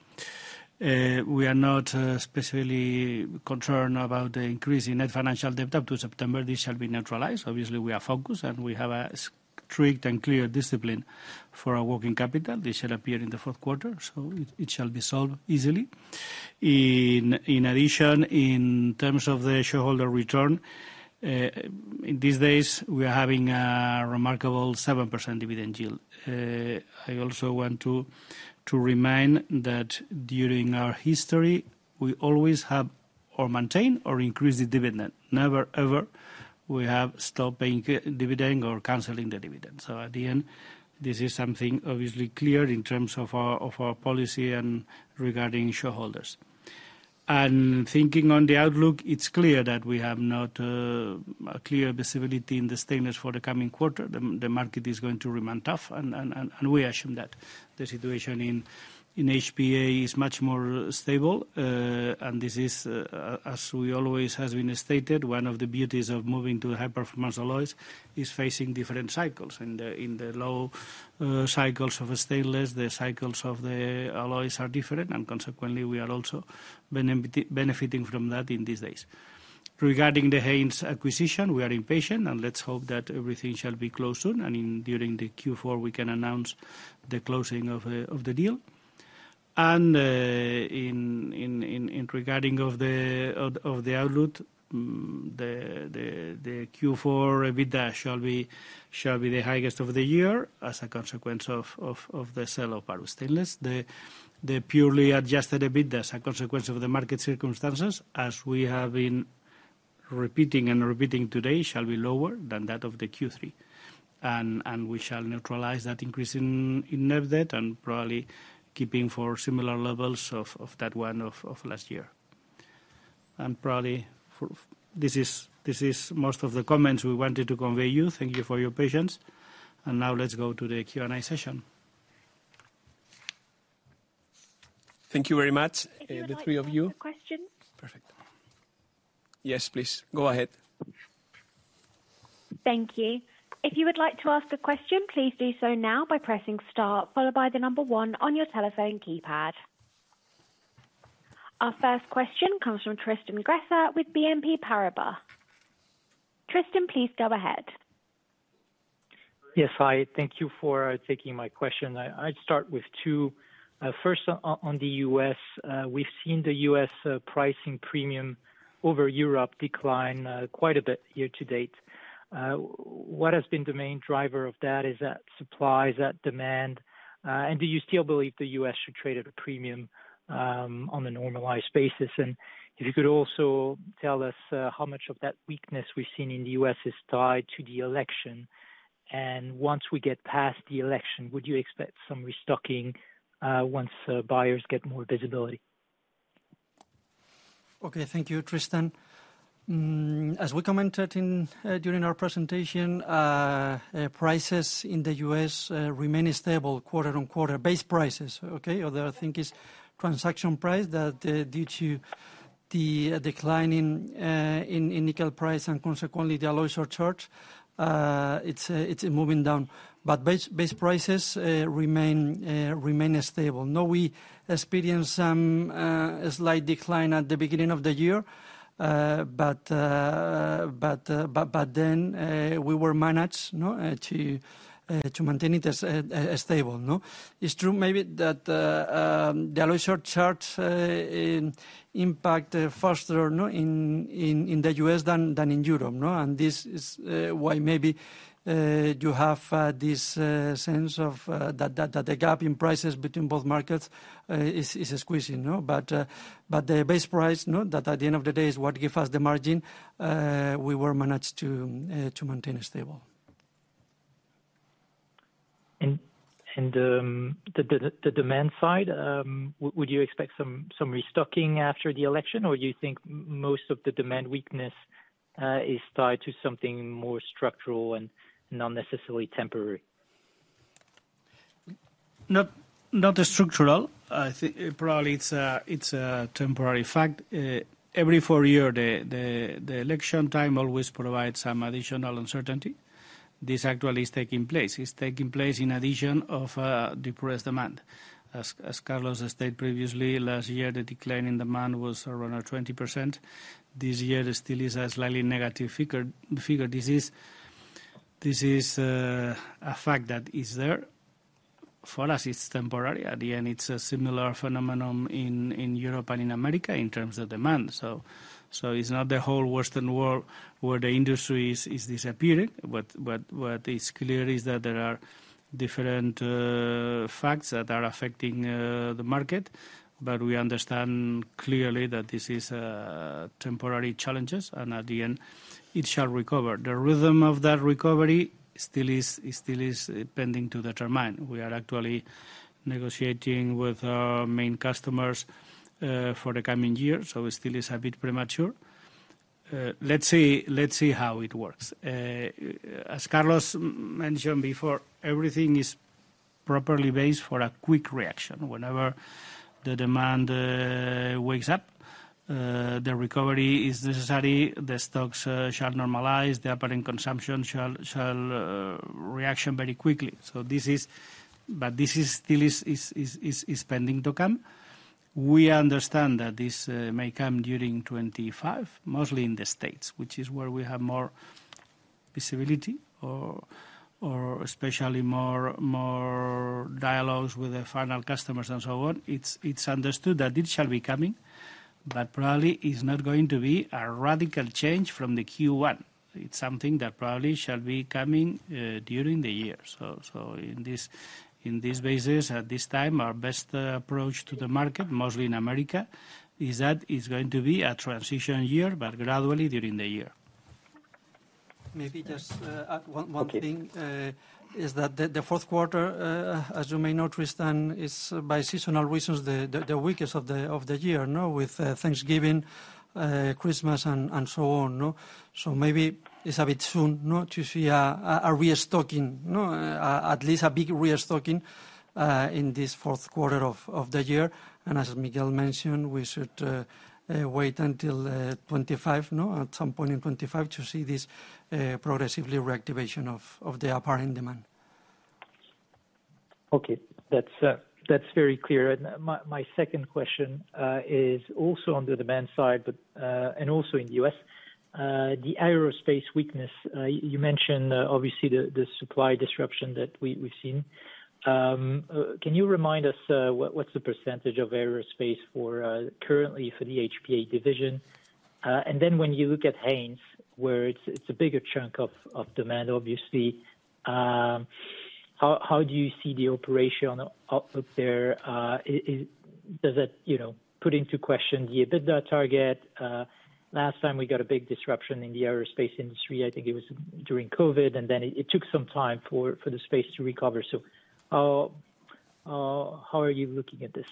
We are not specifically concerned about the increase in net financial debt up to September. This shall be neutralized. Obviously, we are focused, and we have a strict and clear discipline for our working capital. This shall appear in the fourth quarter, so it shall be solved easily. In addition, in terms of the shareholder return, in these days, we are having a remarkable 7% dividend yield. I also want to remind that during our history, we always have or maintained or increased the dividend. Never ever we have stopped paying dividend or canceling the dividend. So at the end, this is something obviously clear in terms of our policy and regarding shareholders, and thinking on the outlook, it's clear that we have not a clear visibility in the stainless for the coming quarter. The market is going to remain tough, and we assume that the situation in HPA is much more stable, and this is, as we always have been stated, one of the beauties of moving to high-performance alloys is facing different cycles. In the low cycles of stainless, the cycles of the alloys are different, and consequently, we are also benefiting from that in these days. Regarding the Haynes acquisition, we are impatient, and let's hope that everything shall be closed soon. And during the Q4, we can announce the closing of the deal. And regarding the outlook, the Q4 EBITDA shall be the highest of the year as a consequence of the sale of our stainless. The purely adjusted EBITDA, as a consequence of the market circumstances, as we have been repeating and repeating today, shall be lower than that of the Q3. And we shall neutralize that increase in net debt and probably keeping for similar levels of that one of last year. And probably this is most of the comments we wanted to convey to you. Thank you for your patience. And now let's go to the Q&A session. Thank you very much, the three of you. Perfect. Yes, please. Go ahead. Thank you. If you would like to ask a question, please do so now by pressing star, followed by the number one on your telephone keypad. Our first question comes from Tristan Gresser with BNP Paribas. Tristan, please go ahead. Yes, hi. Thank you for taking my question. I'd start with two. First, on the U.S., we've seen the U.S. pricing premium over Europe decline quite a bit year to date. What has been the main driver of that? Is that supply? Is that demand? And do you still believe the U.S. should trade at a premium on a normalized basis? And if you could also tell us how much of that weakness we've seen in the U.S. is tied to the election. And once we get past the election, would you expect some restocking once buyers get more visibility? Okay. Thank you, Tristan. As we commented during our presentation, prices in the U.S. remain stable quarter on quarter, base prices. Okay. The other thing is the transaction price that, due to the decline in nickel price and consequently the alloy surcharges, it's moving down. But base prices remain stable. No, we experienced some slight decline at the beginning of the year, but then we managed to maintain it as stable. It's true maybe that the alloy surcharges impact faster in the US than in Europe. And this is why maybe you have this sense that the gap in prices between both markets is squeezing. But the base price that at the end of the day is what gives us the margin, we managed to maintain it stable. The demand side, would you expect some restocking after the election, or do you think most of the demand weakness is tied to something more structural and not necessarily temporary? Not structural. I think probably it's a temporary fact. Every four years, the election time always provides some additional uncertainty. This actually is taking place. It's taking place in addition to depressed demand. As Carlos has stated previously, last year, the decline in demand was around 20%. This year still is a slightly negative figure. This is a fact that is there. For us, it's temporary. At the end, it's a similar phenomenon in Europe and in America in terms of demand. So it's not the whole Western world where the industry is disappearing. But what is clear is that there are different facts that are affecting the market. But we understand clearly that this is temporary challenges, and at the end, it shall recover. The rhythm of that recovery still is pending to determine. We are actually negotiating with our main customers for the coming year, so it still is a bit premature. Let's see how it works. As Carlos mentioned before, everything is properly based for a quick reaction. Whenever the demand wakes up, the recovery is necessary. The stocks shall normalize. The end-user consumption shall react very quickly. But this still is pending to come. We understand that this may come during 2025, mostly in the States, which is where we have more visibility or especially more dialogues with the final customers and so on. It's understood that it shall be coming, but probably it's not going to be a radical change from the Q1. It's something that probably shall be coming during the year. So in this basis, at this time, our best approach to the market, mostly in America, is that it's going to be a transition year, but gradually during the year. Maybe just one thing is that the fourth quarter, as you may know, Tristan, is by seasonal reasons the weakest of the year with Thanksgiving, Christmas, and so on. So maybe it's a bit soon to see a restocking, at least a big restocking in this fourth quarter of the year. And as Miguel mentioned, we should wait until 2025, at some point in 2025, to see this progressively reactivation of the upper end demand. Okay. That's very clear. My second question is also on the demand side, and also in the US, the aerospace weakness. You mentioned obviously the supply disruption that we've seen. Can you remind us what's the percentage of aerospace currently for the HPA division? And then when you look at Haynes, where it's a bigger chunk of demand, obviously, how do you see the operation up there? Does that put into question the EBITDA target? Last time, we got a big disruption in the aerospace industry. I think it was during COVID, and then it took some time for the space to recover. So how are you looking at this?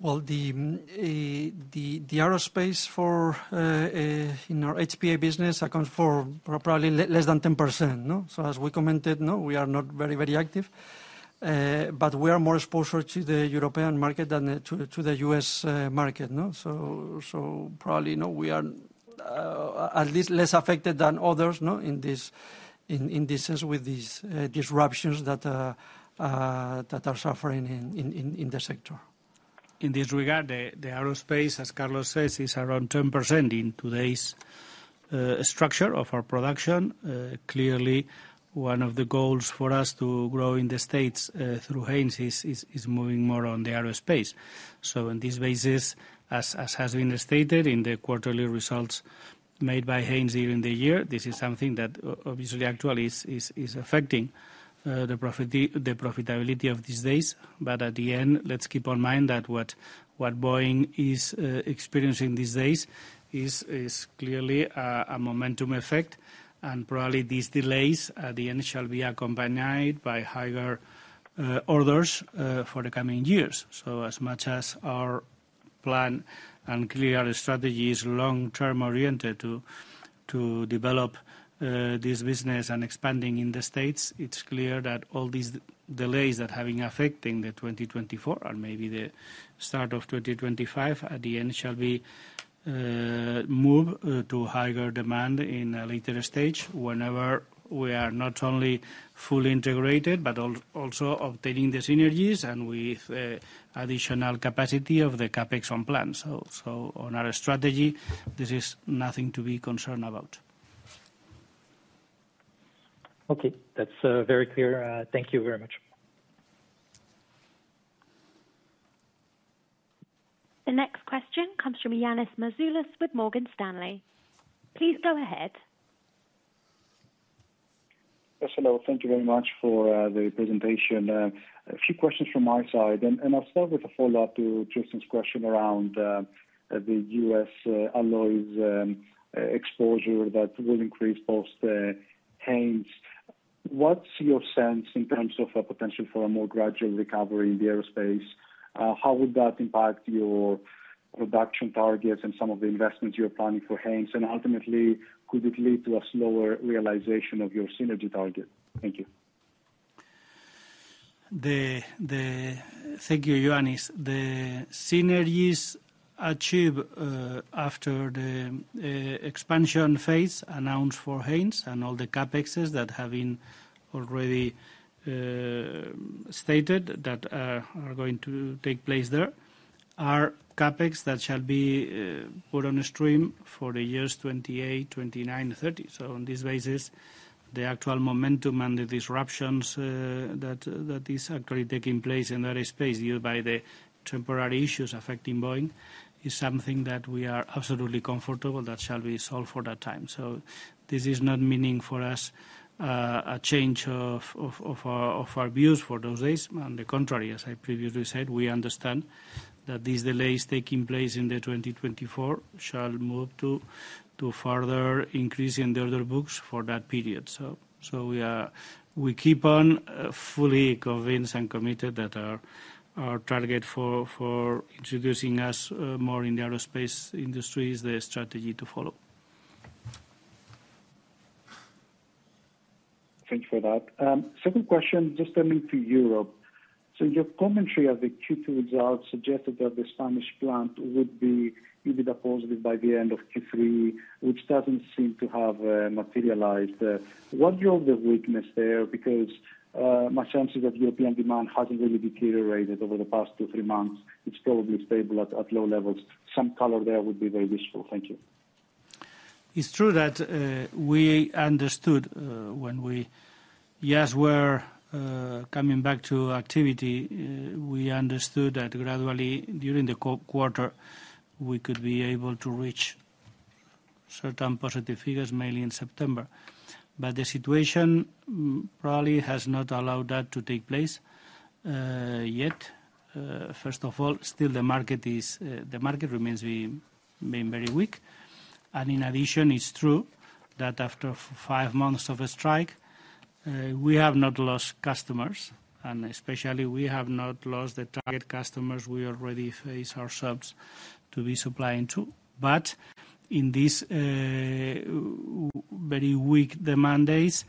Well, the aerospace in our HPA business accounts for probably less than 10%. So as we commented, we are not very, very active, but we are more exposed to the European market than to the U.S. market. So probably we are at least less affected than others in this sense with these disruptions that are suffering in the sector. In this regard, the aerospace, as Carlos says, is around 10% in today's structure of our production. Clearly, one of the goals for us to grow in the States through Haynes is moving more on the aerospace, so on this basis, as has been stated in the quarterly results made by Haynes during the year, this is something that obviously actually is affecting the profitability of these days, but at the end, let's keep in mind that what Boeing is experiencing these days is clearly a momentum effect, and probably these delays at the end shall be accompanied by higher orders for the coming years. So as much as our plan and clear strategy is long-term oriented to develop this business and expanding in the States, it's clear that all these delays that have been affecting the 2024 and maybe the start of 2025 at the end shall be moved to higher demand in a later stage whenever we are not only fully integrated, but also obtaining the synergies and with additional capacity of the CapEx on plan. So on our strategy, this is nothing to be concerned about. Okay. That's very clear. Thank you very much. The next question comes from Ioannis Masvoulas with Morgan Stanley. Please go ahead. Yes, hello. Thank you very much for the presentation. A few questions from my side. And I'll start with a follow-up to Tristan's question around the U.S. alloys exposure that will increase post-Haynes. What's your sense in terms of potential for a more gradual recovery in the aerospace? How would that impact your production targets and some of the investments you're planning for Haynes? And ultimately, could it lead to a slower realization of your synergy target? Thank you. Thank you, Ioannis. The synergies achieved after the expansion phase announced for Haynes and all the CapExes that have been already stated that are going to take place there are CapEx that shall be put on stream for the years 2028, 2029, 2030. On this basis, the actual momentum and the disruptions that is actually taking place in that space due by the temporary issues affecting Boeing is something that we are absolutely comfortable that shall be solved for that time. This is not meaning for us a change of our views for those days. On the contrary, as I previously said, we understand that these delays taking place in the 2024 shall move to further increasing the order books for that period. So we keep on fully convinced and committed that our target for introducing us more in the aerospace industry is the strategy to follow. Thank you for that. Second question, just turning to Europe. So your commentary of the Q2 results suggested that the Spanish plant would be EBITDA positive by the end of Q3, which doesn't seem to have materialized. What's your weakness there? Because my sense is that European demand hasn't really deteriorated over the past two, three months. It's probably stable at low levels. Some color there would be very useful. Thank you. It's true that we understood when we, yes, we're coming back to activity. We understood that gradually during the quarter, we could be able to reach certain positive figures, mainly in September. But the situation probably has not allowed that to take place yet. First of all, still the market remains being very weak. And in addition, it's true that after five months of a strike, we have not lost customers. And especially, we have not lost the target customers we already face ourselves to be supplying to. But in these very weak demand days,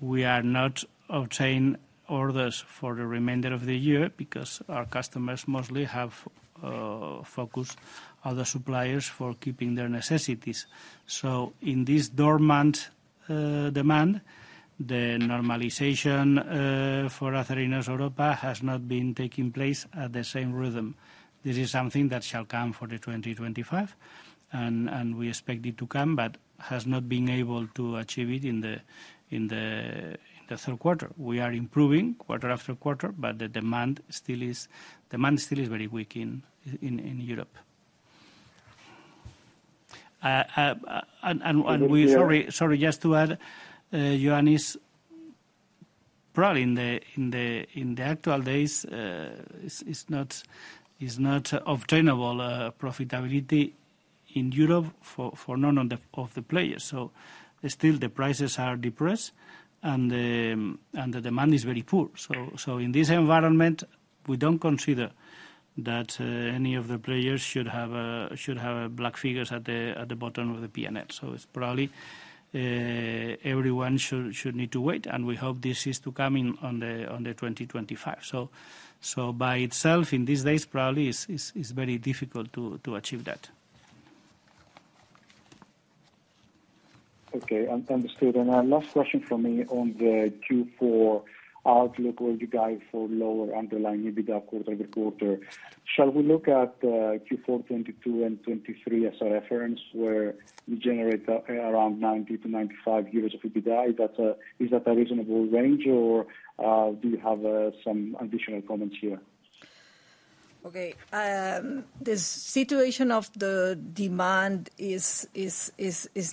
we are not obtaining orders for the remainder of the year because our customers mostly have focused on the suppliers for keeping their necessities. So in this dormant demand, the normalization for Acerinox Europa has not been taking place at the same rhythm. This is something that shall come for the 2025. We expect it to come, but has not been able to achieve it in the third quarter. We are improving quarter after quarter, but the demand still is very weak in Europe. Sorry, just to add, Ioannis, probably in these days, it's not obtainable profitability in Europe for none of the players. So still, the prices are depressed and the demand is very poor. So in this environment, we don't consider that any of the players should have black figures at the bottom of the P&L. So it's probably everyone should need to wait. We hope this is to come in 2025. So by itself, in these days, probably it's very difficult to achieve that. Okay. Understood. Last question for me on the Q4 outlook where you guide for lower underlying EBITDA quarter over quarter. Shall we look at Q4 2022 and 2023 as a reference where we generate around 90 million-95 million euros of EBITDA? Is that a reasonable range, or do you have some additional comments here? Okay. The situation of the demand is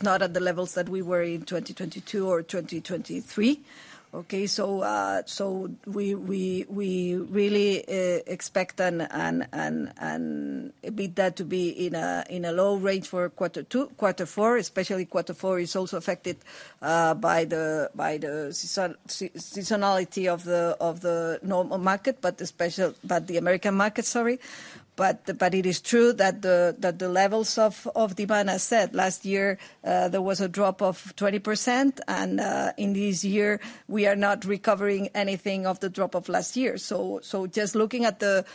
not at the levels that we were in 2022 or 2023. Okay. So we really expect EBITDA to be in a low range for quarter two, quarter four. Especially quarter four is also affected by the seasonality of the normal market, but the American market, sorry. But it is true that the levels of demand, as said, last year, there was a drop of 20%. And in this year, we are not recovering anything of the drop of last year. So just looking at the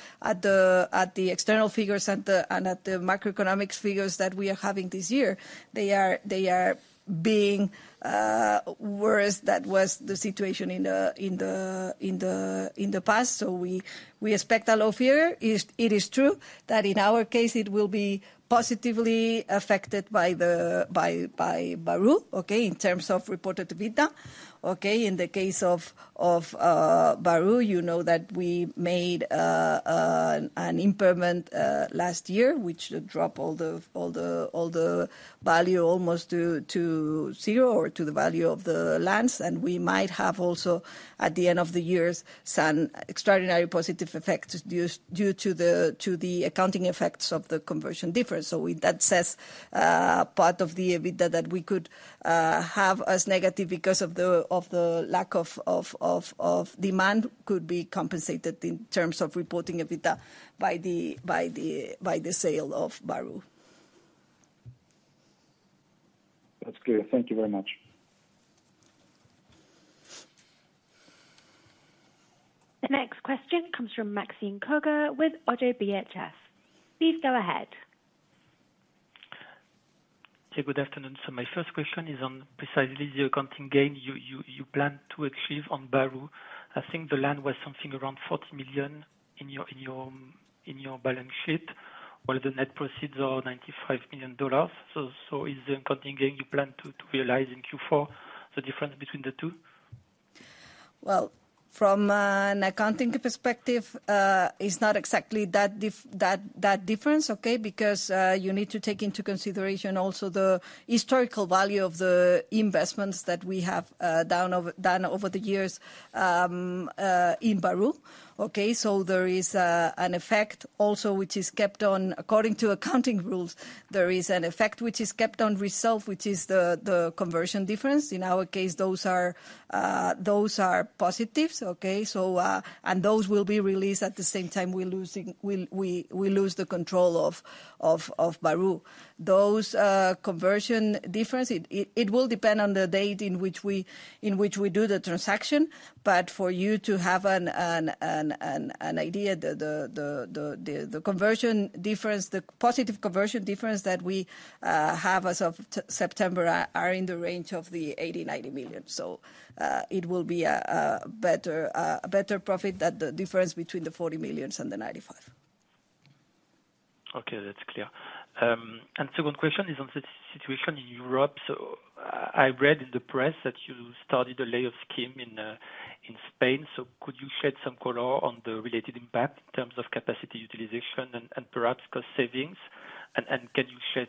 external figures and at the macroeconomic figures that we are having this year, they are being worse than was the situation in the past. So we expect a low figure. It is true that in our case, it will be positively affected by Bahru, okay, in terms of reported EBITDA. Okay. In the case of Bahru, you know that we made an impairment last year, which dropped all the value almost to zero or to the value of the land. And we might have also at the end of the year some extraordinary positive effects due to the accounting effects of the conversion difference. So that says part of the EBITDA that we could have as negative because of the lack of demand could be compensated in terms of reporting EBITDA by the sale of Bahru. That's clear. Thank you very much. The next question comes from Maxime Kogge with ODDO BHF. Please go ahead. Okay. Good afternoon. So my first question is on precisely the accounting gain you plan to achieve on Bahru. I think the land was something around 40 million in your balance sheet. While the net proceeds are $95 million. So is the accounting gain you plan to realize in Q4 the difference between the two? Well, from an accounting perspective, it's not exactly that difference, okay, because you need to take into consideration also the historical value of the investments that we have done over the years in Bahru. Okay. So there is an effect also, which is kept on according to accounting rules. There is an effect which is kept in reserve, which is the conversion difference. In our case, those are positives. Okay. And those will be released at the same time we lose the control of Bahru. Those conversion differences, it will depend on the date in which we do the transaction. But for you to have an idea, the conversion difference, the positive conversion difference that we have as of September are in the range of 80 million-90 million. So it will be a better profit than the difference between the 40 million and the 95 million. Okay. That's clear. And second question is on the situation in Europe. So I read in the press that you started a layoff scheme in Spain. So could you shed some color on the related impact in terms of capacity utilization and perhaps cost savings? And can you shed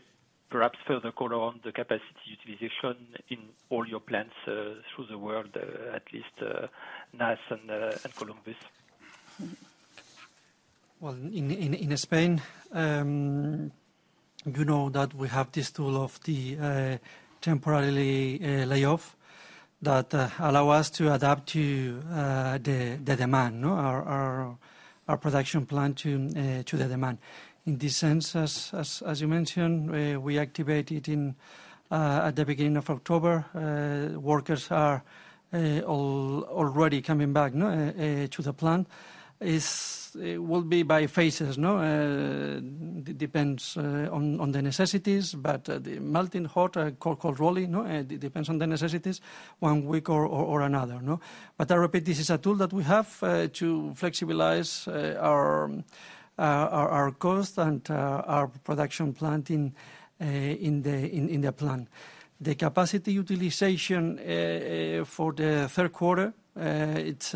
perhaps further color on the capacity utilization in all your plants throughout the world, at least NAS and Columbus? Well, in Spain, you know that we have this tool of the temporary layoff that allows us to adapt to the demand, our production plan to the demand. In this sense, as you mentioned, we activate it at the beginning of October. Workers are already coming back to the plant. It will be by phases. It depends on the necessities, but the melting, hot- and cold-rolling, it depends on the necessities, one week or another. But I repeat, this is a tool that we have to flexibilize our cost and our production plant in the plant. The capacity utilization for the third quarter, it's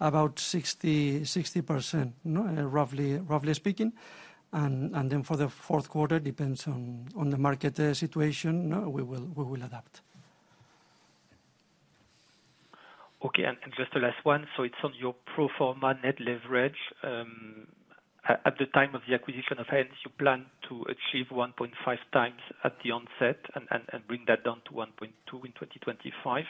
about 60%, roughly speaking, and then for the fourth quarter, it depends on the market situation. We will adapt. Okay, and just the last one, so it's on your pro forma net leverage. At the time of the acquisition of Haynes, you plan to achieve 1.5x at the onset and bring that down to 1.2x in 2025.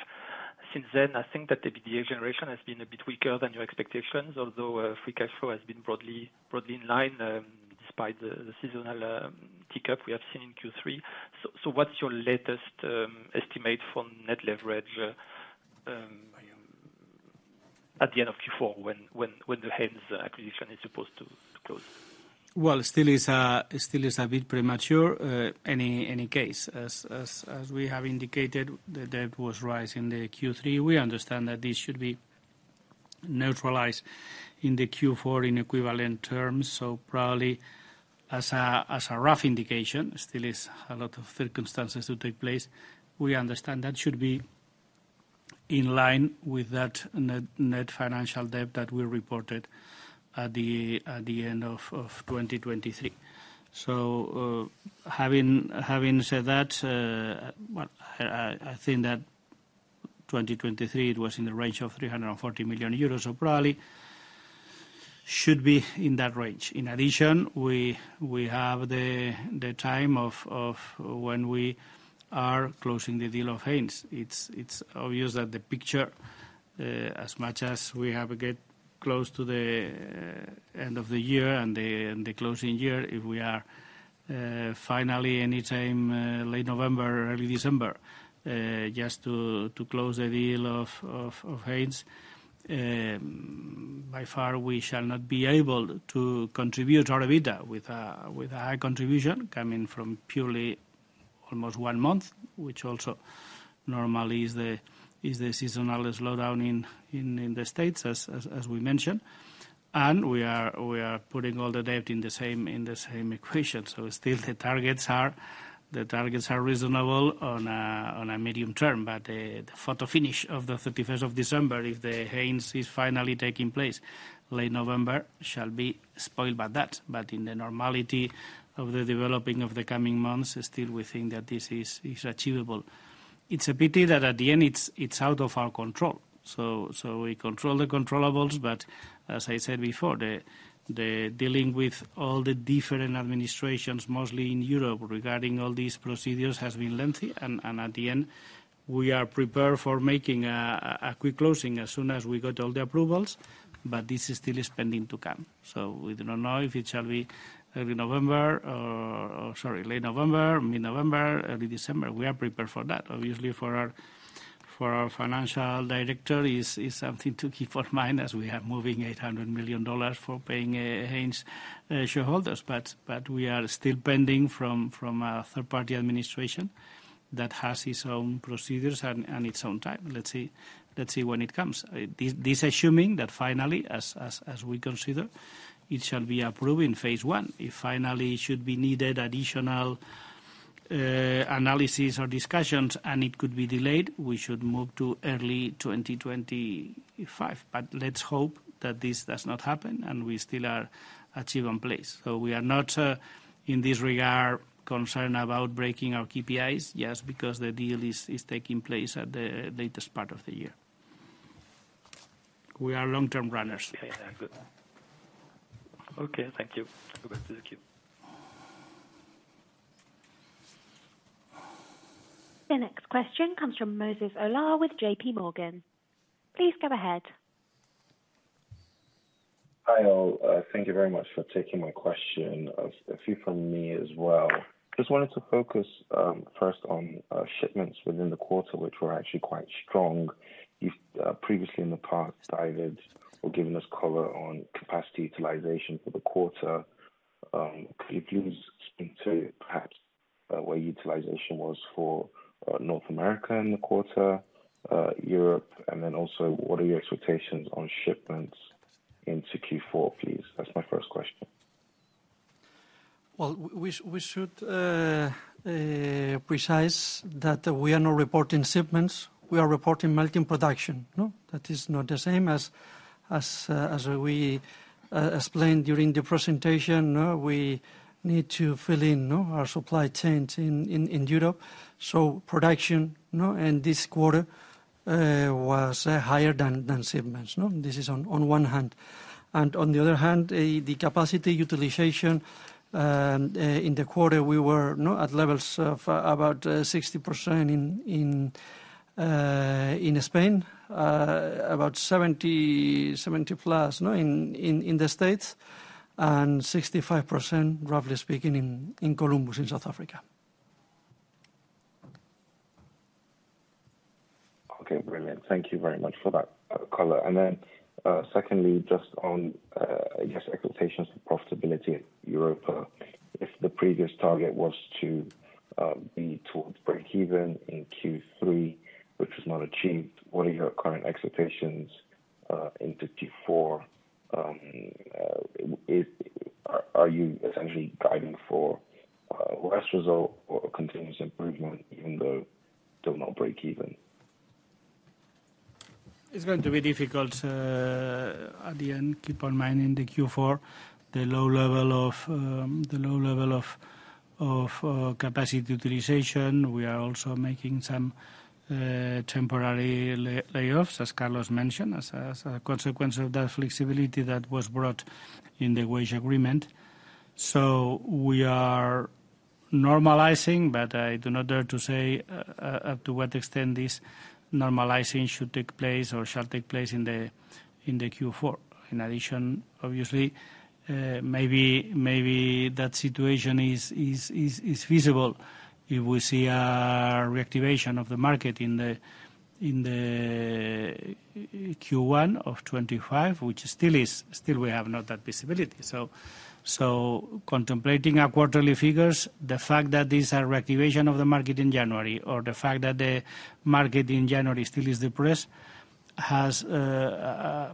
Since then, I think that the EBITDA generation has been a bit weaker than your expectations, although free cash flow has been broadly in line despite the seasonal tick up we have seen in Q3. So what's your latest estimate for net leverage at the end of Q4 when the Haynes acquisition is supposed to close? Well, still it's a bit premature. In any case, as we have indicated, the debt was rising in the Q3. We understand that this should be neutralized in the Q4 in equivalent terms. So probably as a rough indication, still it's a lot of circumstances to take place. We understand that should be in line with that net financial debt that we reported at the end of 2023. So having said that, I think that 2023, it was in the range of 340 million euros. So probably should be in that range. In addition, we have the time of when we are closing the deal of Haynes. It's obvious that the picture, as much as we have to get close to the end of the year and the closing year, if we are finally anytime late November, early December, just to close the deal of Haynes, by far we shall not be able to contribute our EBITDA with a high contribution coming from purely almost one month, which also normally is the seasonal slowdown in the States, as we mentioned, and we are putting all the debt in the same equation, so still the targets are reasonable on a medium term, but the final finish of the 31st of December, if the Haynes is finally taking place late November, shall be spoiled by that, but in the normality of the developing of the coming months, still we think that this is achievable. It's a pity that at the end, it's out of our control. So we control the controllables, but as I said before, dealing with all the different administrations, mostly in Europe, regarding all these procedures has been lengthy. And at the end, we are prepared for making a quick closing as soon as we got all the approvals, but this is still pending to come. So we do not know if it shall be early November or, sorry, late November, mid-November, early December. We are prepared for that. Obviously, for our Financial Director, it's something to keep in mind as we are moving $800 million for paying Haynes shareholders. But we are still pending from a third-party administration that has its own procedures and its own time. Let's see when it comes. This assuming that finally, as we consider, it shall be approved in phase one. If finally it should be needed additional analysis or discussions and it could be delayed, we should move to early 2025. But let's hope that this does not happen and we still are achieving pace. So we are not in this regard concerned about breaking our KPIs just because the deal is taking place at the latest part of the year. We are long-term runners. Okay. Thank you. The next question comes from Moses Ola with JPMorgan. Please go ahead. Hi, all. Thank you very much for taking my question. A few from me as well. Just wanted to focus first on shipments within the quarter, which were actually quite strong. You've previously in the past dived or given us color on capacity utilization for the quarter. Could you please speak to perhaps where utilization was for North America in the quarter, Europe, and then also what are your expectations on shipments into Q4, please? That's my first question. We should specify that we are not reporting shipments. We are reporting melting production. That is not the same as we explained during the presentation. We need to fill in our supply chains in Europe. So production in this quarter was higher than shipments. This is on one hand. And on the other hand, the capacity utilization in the quarter, we were at levels of about 60% in Spain, about 70%+, in the States, and 65%, roughly speaking, in Columbus, in South Africa. Okay. Brilliant. Thank you very much for that color. And then secondly, just on, I guess, expectations for profitability in Europe. If the previous target was to be towards breakeven in Q3, which was not achieved, what are your current expectations into Q4? Are you essentially guiding for less result or continuous improvement even though they'll not break even? It's going to be difficult at the end. Keep in mind in the Q4, the low level of capacity utilization. We are also making some temporary layoffs, as Carlos mentioned, as a consequence of that flexibility that was brought in the wage agreement. So we are normalizing, but I do not dare to say up to what extent this normalizing should take place or shall take place in the Q4. In addition, obviously, maybe that situation is feasible if we see a reactivation of the market in the Q1 of 2025, which still we have not that visibility. So contemplating our quarterly figures, the fact that this is a reactivation of the market in January or the fact that the market in January still is depressed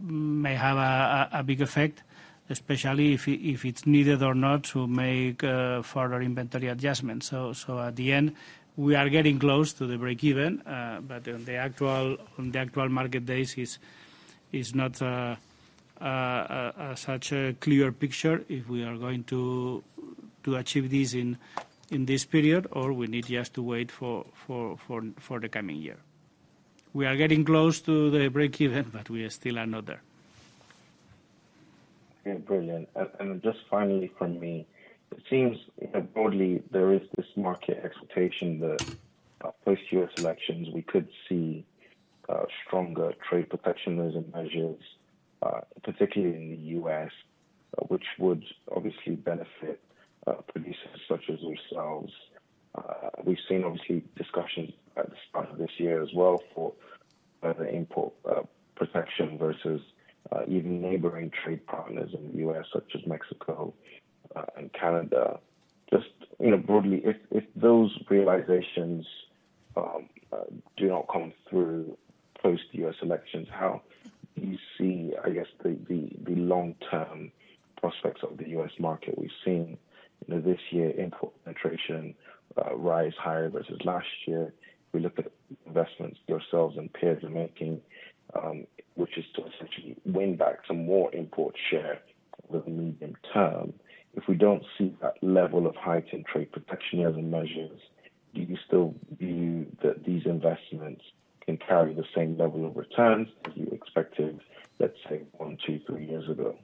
may have a big effect, especially if it's needed or not to make further inventory adjustments. So at the end, we are getting close to the breakeven, but on the actual market basis, it's not such a clear picture if we are going to achieve this in this period or we need just to wait for the coming year. We are getting close to the breakeven, but we are still not there. Brilliant. And just finally for me, it seems broadly there is this market expectation that post-U.S. elections, we could see stronger trade protectionism measures, particularly in the U.S., which would obviously benefit producers such as ourselves. We've seen obviously discussions at the start of this year as well for further import protection versus even neighboring trade partners in the U.S., such as Mexico and Canada. Just broadly, if those realizations do not come through post-U.S. elections, how do you see, I guess, the long-term prospects of the U.S. market? We've seen this year import penetration rise higher versus last year. We look at investments yourselves and peers are making, which is to essentially win back some more import share over the medium term. If we don't see that level of heightened trade protectionism measures, do you still view that these investments can carry the same level of returns as you expected, let's say, one, two, three years ago?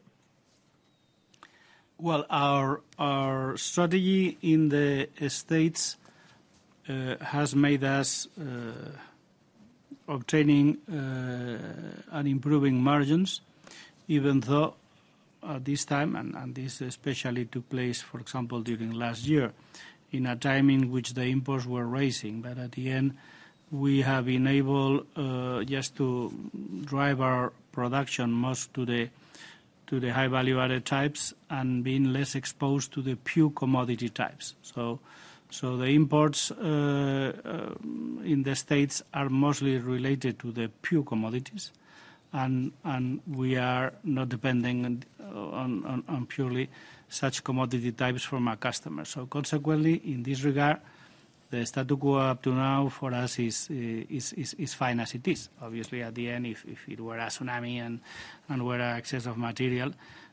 Our strategy in the States has made us obtaining and improving margins, even though at this time, and this especially took place, for example, during last year in a time in which the imports were rising. But at the end, we have been able just to drive our production most to the high value-added types and being less exposed to the pure commodity types. So the imports in the States are mostly related to the pure commodities, and we are not depending on purely such commodity types from our customers. So consequently, in this regard, the status quo up to now for us is fine as it is. Obviously, at the end, if it were a tsunami and were an excess of material,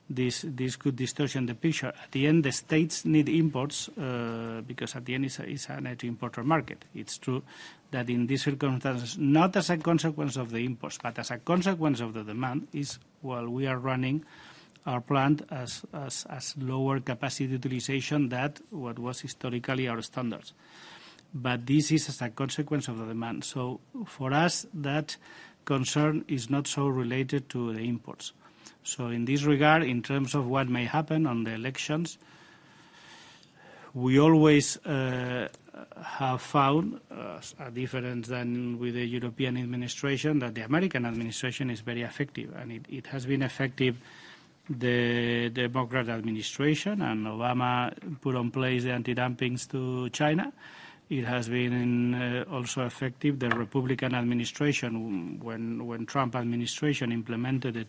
this could distort the picture. At the end, the States need imports because at the end, it's an import-dependent market. It's true that in this circumstance, not as a consequence of the imports, but as a consequence of the demand, is while we are running our plant at lower capacity utilization than what was historically our standards. But this is as a consequence of the demand. So for us, that concern is not so related to the imports. So in this regard, in terms of what may happen on the elections, we always have found a difference than with the European administration that the American administration is very effective. And it has been effective. The Democrat administration and Obama put in place the anti-dumping to China. It has been also effective, the Republican administration when Trump administration implemented the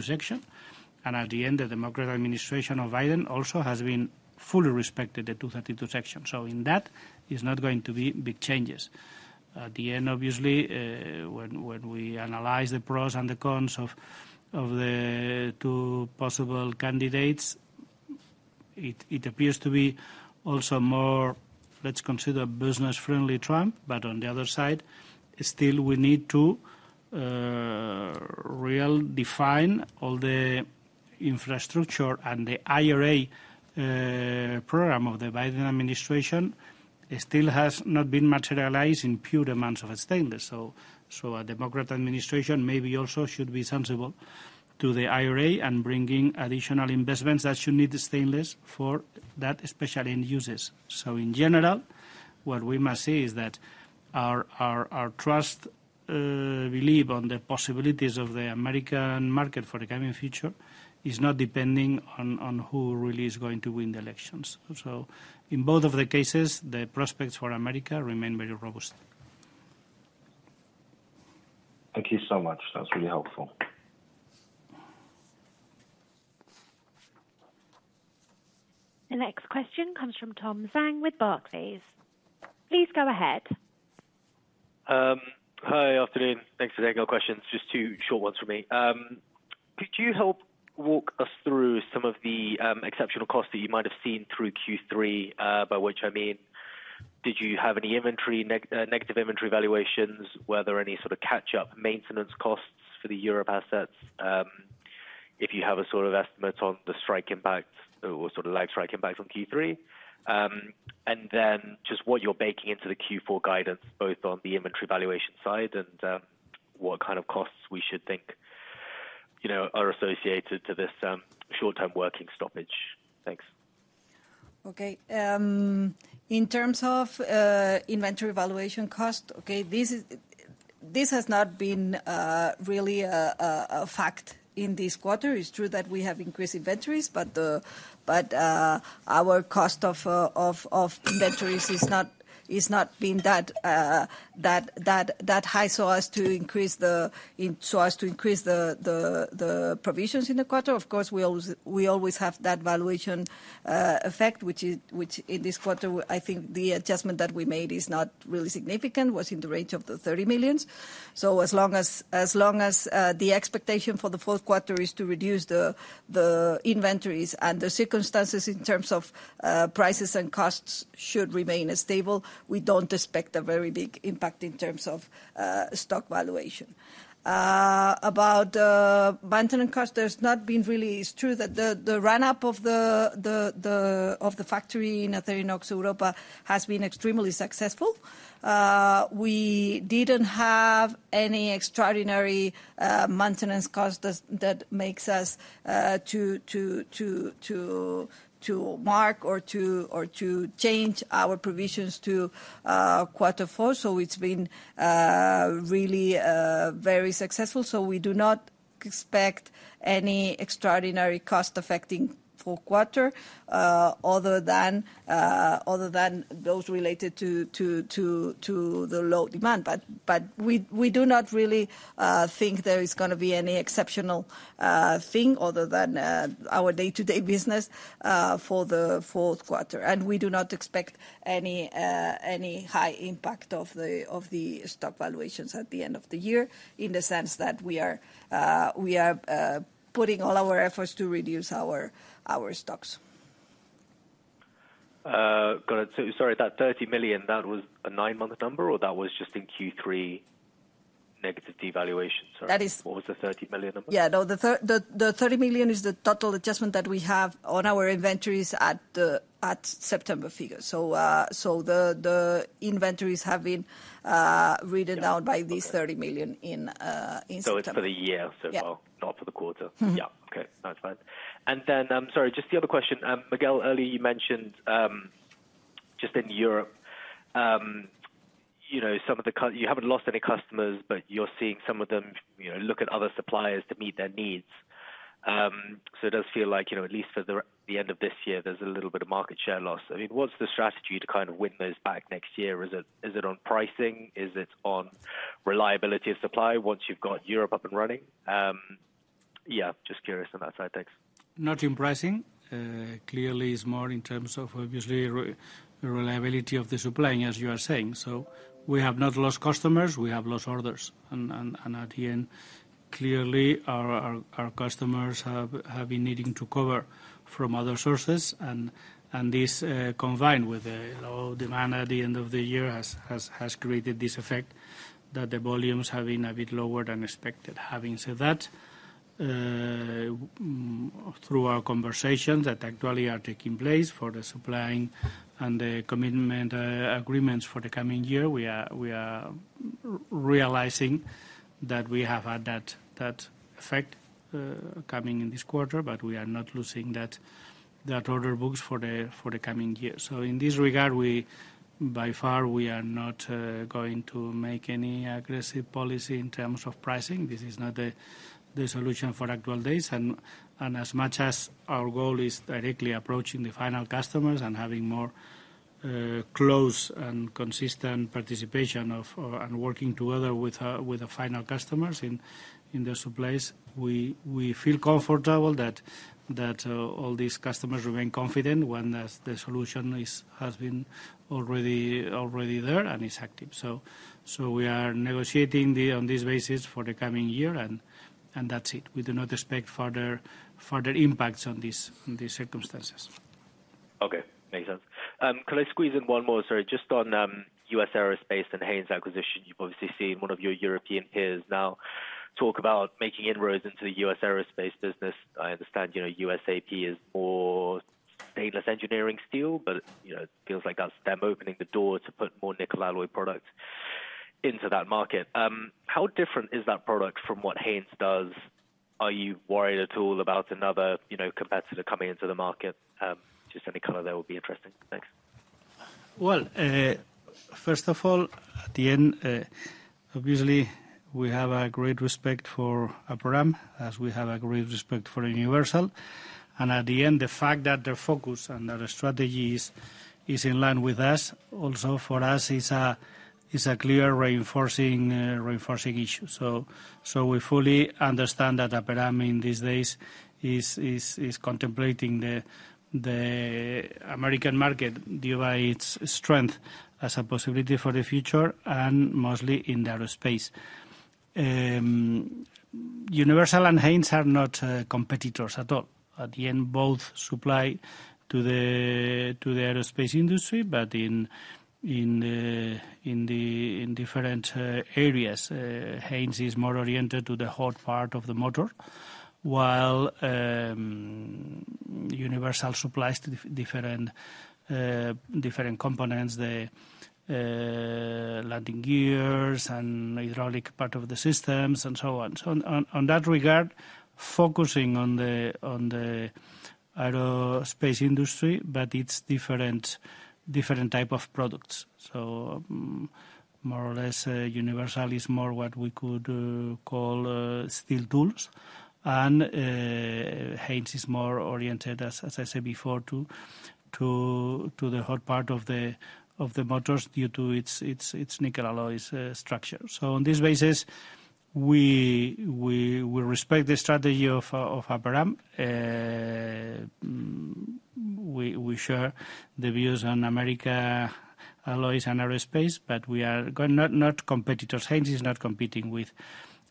Section 232. And at the end, the Democrat administration of Biden also has fully respected the Section 232. So in that, it's not going to be big changes. At the end, obviously, when we analyze the pros and the cons of the two possible candidates, it appears to be also more, let's consider a business-friendly Trump, but on the other side, still we need to really define all the infrastructure and the IRA program of the Biden administration still has not been materialized in pure amounts of stainless. So a Democrat administration maybe also should be sensible to the IRA and bringing additional investments that should need stainless for that special end uses. So in general, what we must say is that our trust, belief on the possibilities of the American market for the coming future is not depending on who really is going to win the elections, so in both of the cases, the prospects for America remain very robust. Thank you so much. That was really helpful. The next question comes from Tom Zhang with Barclays. Please go ahead. Hi, afternoon. Thanks for taking our questions. Just two short ones for me. Could you help walk us through some of the exceptional costs that you might have seen through Q3, by which I mean, did you have any inventory, negative inventory valuations, were there any sort of catch-up maintenance costs for the Europe assets? If you have a sort of estimate on the strike impact or sort of live strike impact on Q3, and then just what you're baking into the Q4 guidance, both on the inventory valuation side and what kind of costs we should think are associated to this short-term working stoppage. Thanks. Okay. In terms of inventory valuation cost, okay, this has not been really a fact in this quarter. It's true that we have increased inventories, but our cost of inventories is not being that high so as to increase the provisions in the quarter. Of course, we always have that valuation effect, which in this quarter, I think the adjustment that we made is not really significant, was in the range of 30 million. So as long as the expectation for the fourth quarter is to reduce the inventories and the circumstances in terms of prices and costs should remain stable, we don't expect a very big impact in terms of stock valuation. About maintenance costs, there's not been really. It's true that the ramp-up of the factory in Acerinox Europa has been extremely successful. We didn't have any extraordinary maintenance costs that makes us to mark or to change our provisions to quarter four. So it's been really very successful. So we do not expect any extraordinary costs affecting the quarter other than those related to the low demand. But we do not really think there is going to be any exceptional thing other than our day-to-day business for the fourth quarter. And we do not expect any high impact of the stock valuations at the end of the year in the sense that we are putting all our efforts to reduce our stocks. Got it. So sorry, that 30 million, that was a nine-month number or that was just in Q3 negative devaluation? Sorry. What was the 30 million number? Yeah. No, the 30 million is the total adjustment that we have on our inventories at September figure. So the inventories have been written down by this 30 million in September. So it's for the year so far, not for the quarter. Yeah. Okay. That's fine. And then, sorry, just the other question. Miguel, earlier you mentioned just in Europe, some of them you haven't lost any customers, but you're seeing some of them look at other suppliers to meet their needs. So it does feel like at least for the end of this year, there's a little bit of market share loss. I mean, what's the strategy to kind of win those back next year? Is it on pricing? Is it on reliability of supply once you've got Europe up and running? Yeah. Just curious on that side. Thanks. Not in pricing. Clearly, it's more in terms of obviously reliability of the supply, as you are saying. So we have not lost customers. We have lost orders. And in the end, clearly, our customers have been needing to source from other sources. And this combined with the low demand at the end of the year has created this effect that the volumes have been a bit lower than expected. Having said that, through our conversations that actually are taking place for the supplying and the commitment agreements for the coming year, we are realizing that we have had that effect coming in this quarter, but we are not losing that order books for the coming year. So in this regard, by far, we are not going to make any aggressive policy in terms of pricing. This is not the solution for actual days. And as much as our goal is directly approaching the final customers and having more close and consistent participation and working together with the final customers in the supplies, we feel comfortable that all these customers remain confident when the solution has been already there and is active. So we are negotiating on this basis for the coming year, and that's it. We do not expect further impacts on these circumstances. Okay. Makes sense. Can I squeeze in one more? Sorry. Just on U.S. aerospace and Haynes Acquisition, you've obviously seen one of your European peers now talk about making inroads into the U.S. Aerospace business. I understand USAP is more stainless engineering steel, but it feels like that's them opening the door to put more nickel alloy products into that market. How different is that product from what Haynes does? Are you worried at all about another competitor coming into the market? Just any color that would be interesting. Thanks. Well, first of all, at the end, obviously, we have a great respect for Aperam, as we have a great respect for Universal. And at the end, the fact that their focus and their strategy is in line with us, also for us, is a clear reinforcing issue. So we fully understand that Aperam in these days is contemplating the American market due to its strength as a possibility for the future and mostly in the aerospace. Universal and Haynes are not competitors at all. At the end, both supply to the aerospace industry, but in different areas, Haynes is more oriented to the hard part of the motor, while Universal supplies different components, the landing gears and hydraulic part of the systems and so on. So on that regard, focusing on the aerospace industry, but it's different type of products. So more or less, Universal is more what we could call steel tools. Haynes is more oriented, as I said before, to the hard part of the motors due to its nickel alloys structure. On this basis, we respect the strategy of Aperam. We share the views on American alloys and aerospace, but we are not competitors. Haynes is not competing with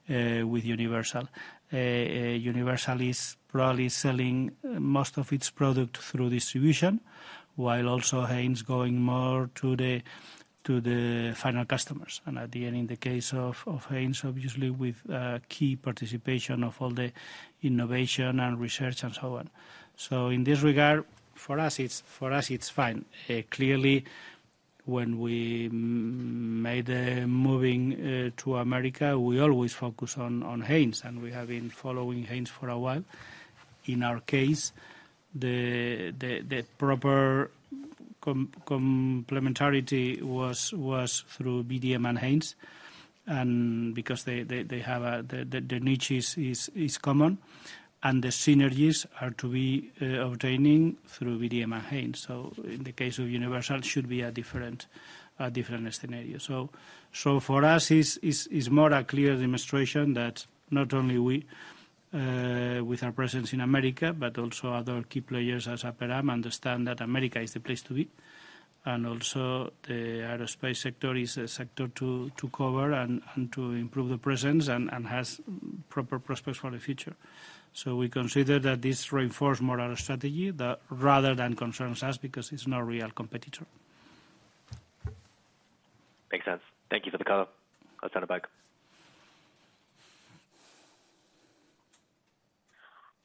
Universal. Universal is probably selling most of its product through distribution, while also Haynes going more to the final customers. At the end, in the case of Haynes, obviously, with key participation of all the innovation and research and so on. In this regard, for us, it's fine. Clearly, when we made the moving to America, we always focus on Haynes, and we have been following Haynes for a while. In our case, the proper complementarity was through VDM and Haynes. And because the niches are common, and the synergies are to be obtained through VDM and Haynes. So in the case of Universal, it should be a different scenario. So for us, it's more a clear demonstration that not only we, with our presence in America, but also other key players as Aperam, understand that America is the place to be. And also, the aerospace sector is a sector to cover and to improve the presence and has proper prospects for the future. So we consider that this reinforced more our strategy rather than concerns us because it's no real competitor. Makes sense. Thank you for the call. I'll turn it back.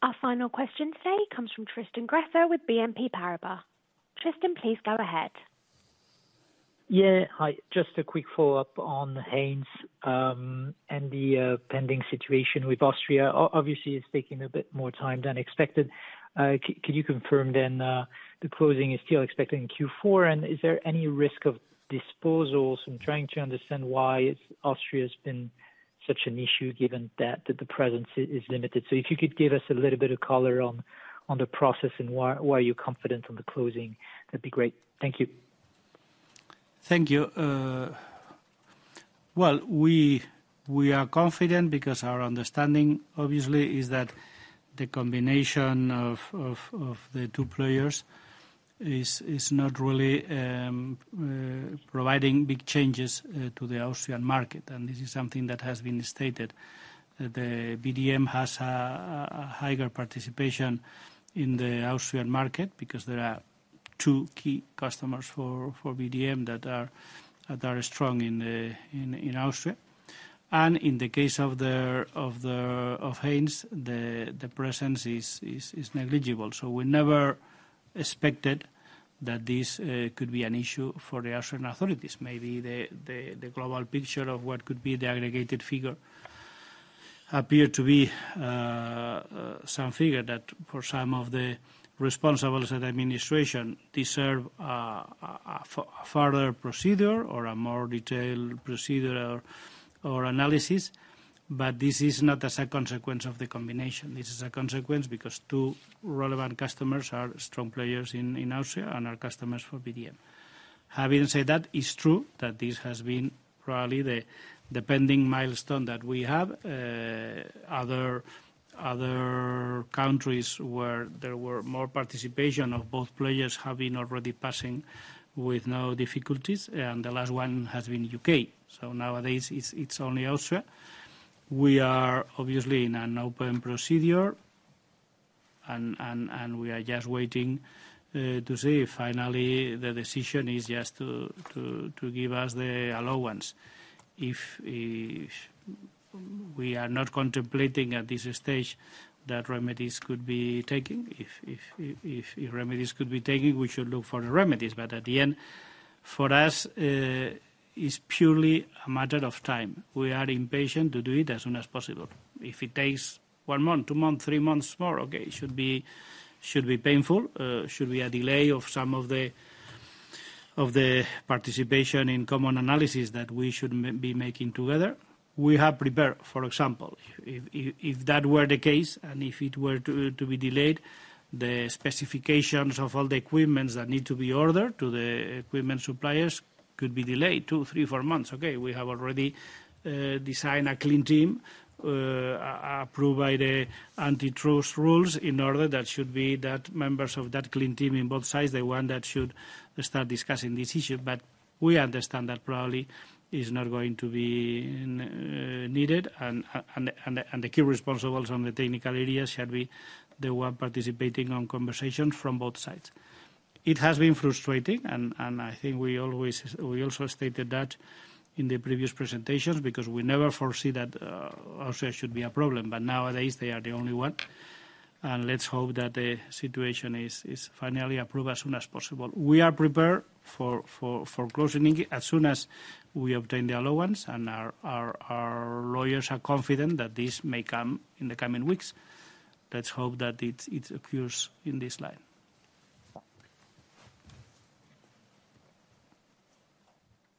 Our final question today comes from Tristan Gresser with BNP Paribas. Tristan, please go ahead. Yeah. Hi. Just a quick follow-up on Haynes and the pending situation with Austria. Obviously, it's taking a bit more time than expected. Could you confirm then the closing is still expected in Q4? And is there any risk of disposals? I'm trying to understand why Austria has been such an issue given that the presence is limited. So if you could give us a little bit of color on the process and why you're confident on the closing, that'd be great. Thank you. Thank you. Well, we are confident because our understanding, obviously, is that the combination of the two players is not really providing big changes to the Austrian market. And this is something that has been stated. The VDM has a higher participation in the Austrian market because there are two key customers for VDM that are strong in Austria. And in the case of Haynes, the presence is negligible. So we never expected that this could be an issue for the Austrian authorities. Maybe the global picture of what could be the aggregated figure appeared to be some figure that for some of the responsibles at administration deserve a further procedure or a more detailed procedure or analysis. But this is not as a consequence of the combination. This is a consequence because two relevant customers are strong players in Austria and are customers for VDM. Having said that, it's true that this has been probably the pending milestone that we have. Other countries where there were more participation of both players have been already passing with no difficulties. And the last one has been the U.K. So nowadays, it's only Austria. We are obviously in an open procedure, and we are just waiting to see. Finally, the decision is just to give us the allowance. If we are not contemplating at this stage that remedies could be taken, if remedies could be taken, we should look for the remedies. But at the end, for us, it's purely a matter of time. We are impatient to do it as soon as possible. If it takes one month, two months, three months more, okay, it should be painful. Should be a delay of some of the participation in common analysis that we should be making together. We have prepared, for example, if that were the case and if it were to be delayed, the specifications of all the equipment that need to be ordered to the equipment suppliers could be delayed two, three, four months. Okay, we have already designed a clean team approved by the antitrust rules in order that should be that members of that clean team in both sides, the one that should start discussing this issue. But we understand that probably is not going to be needed. And the key responsibles on the technical area should be the one participating on conversations from both sides. It has been frustrating, and I think we also stated that in the previous presentations because we never foresee that Austria should be a problem. But nowadays, they are the only one. And let's hope that the situation is finally approved as soon as possible. We are prepared for closing as soon as we obtain the allowance and our lawyers are confident that this may come in the coming weeks. Let's hope that it occurs in this line.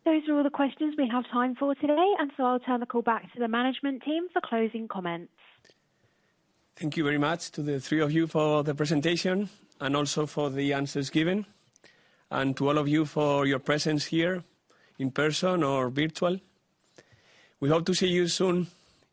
Those are all the questions we have time for today. And so I'll turn the call back to the management team for closing comments. Thank you very much to the three of you for the presentation and also for the answers given. And to all of you for your presence here in person or virtual. We hope to see you soon.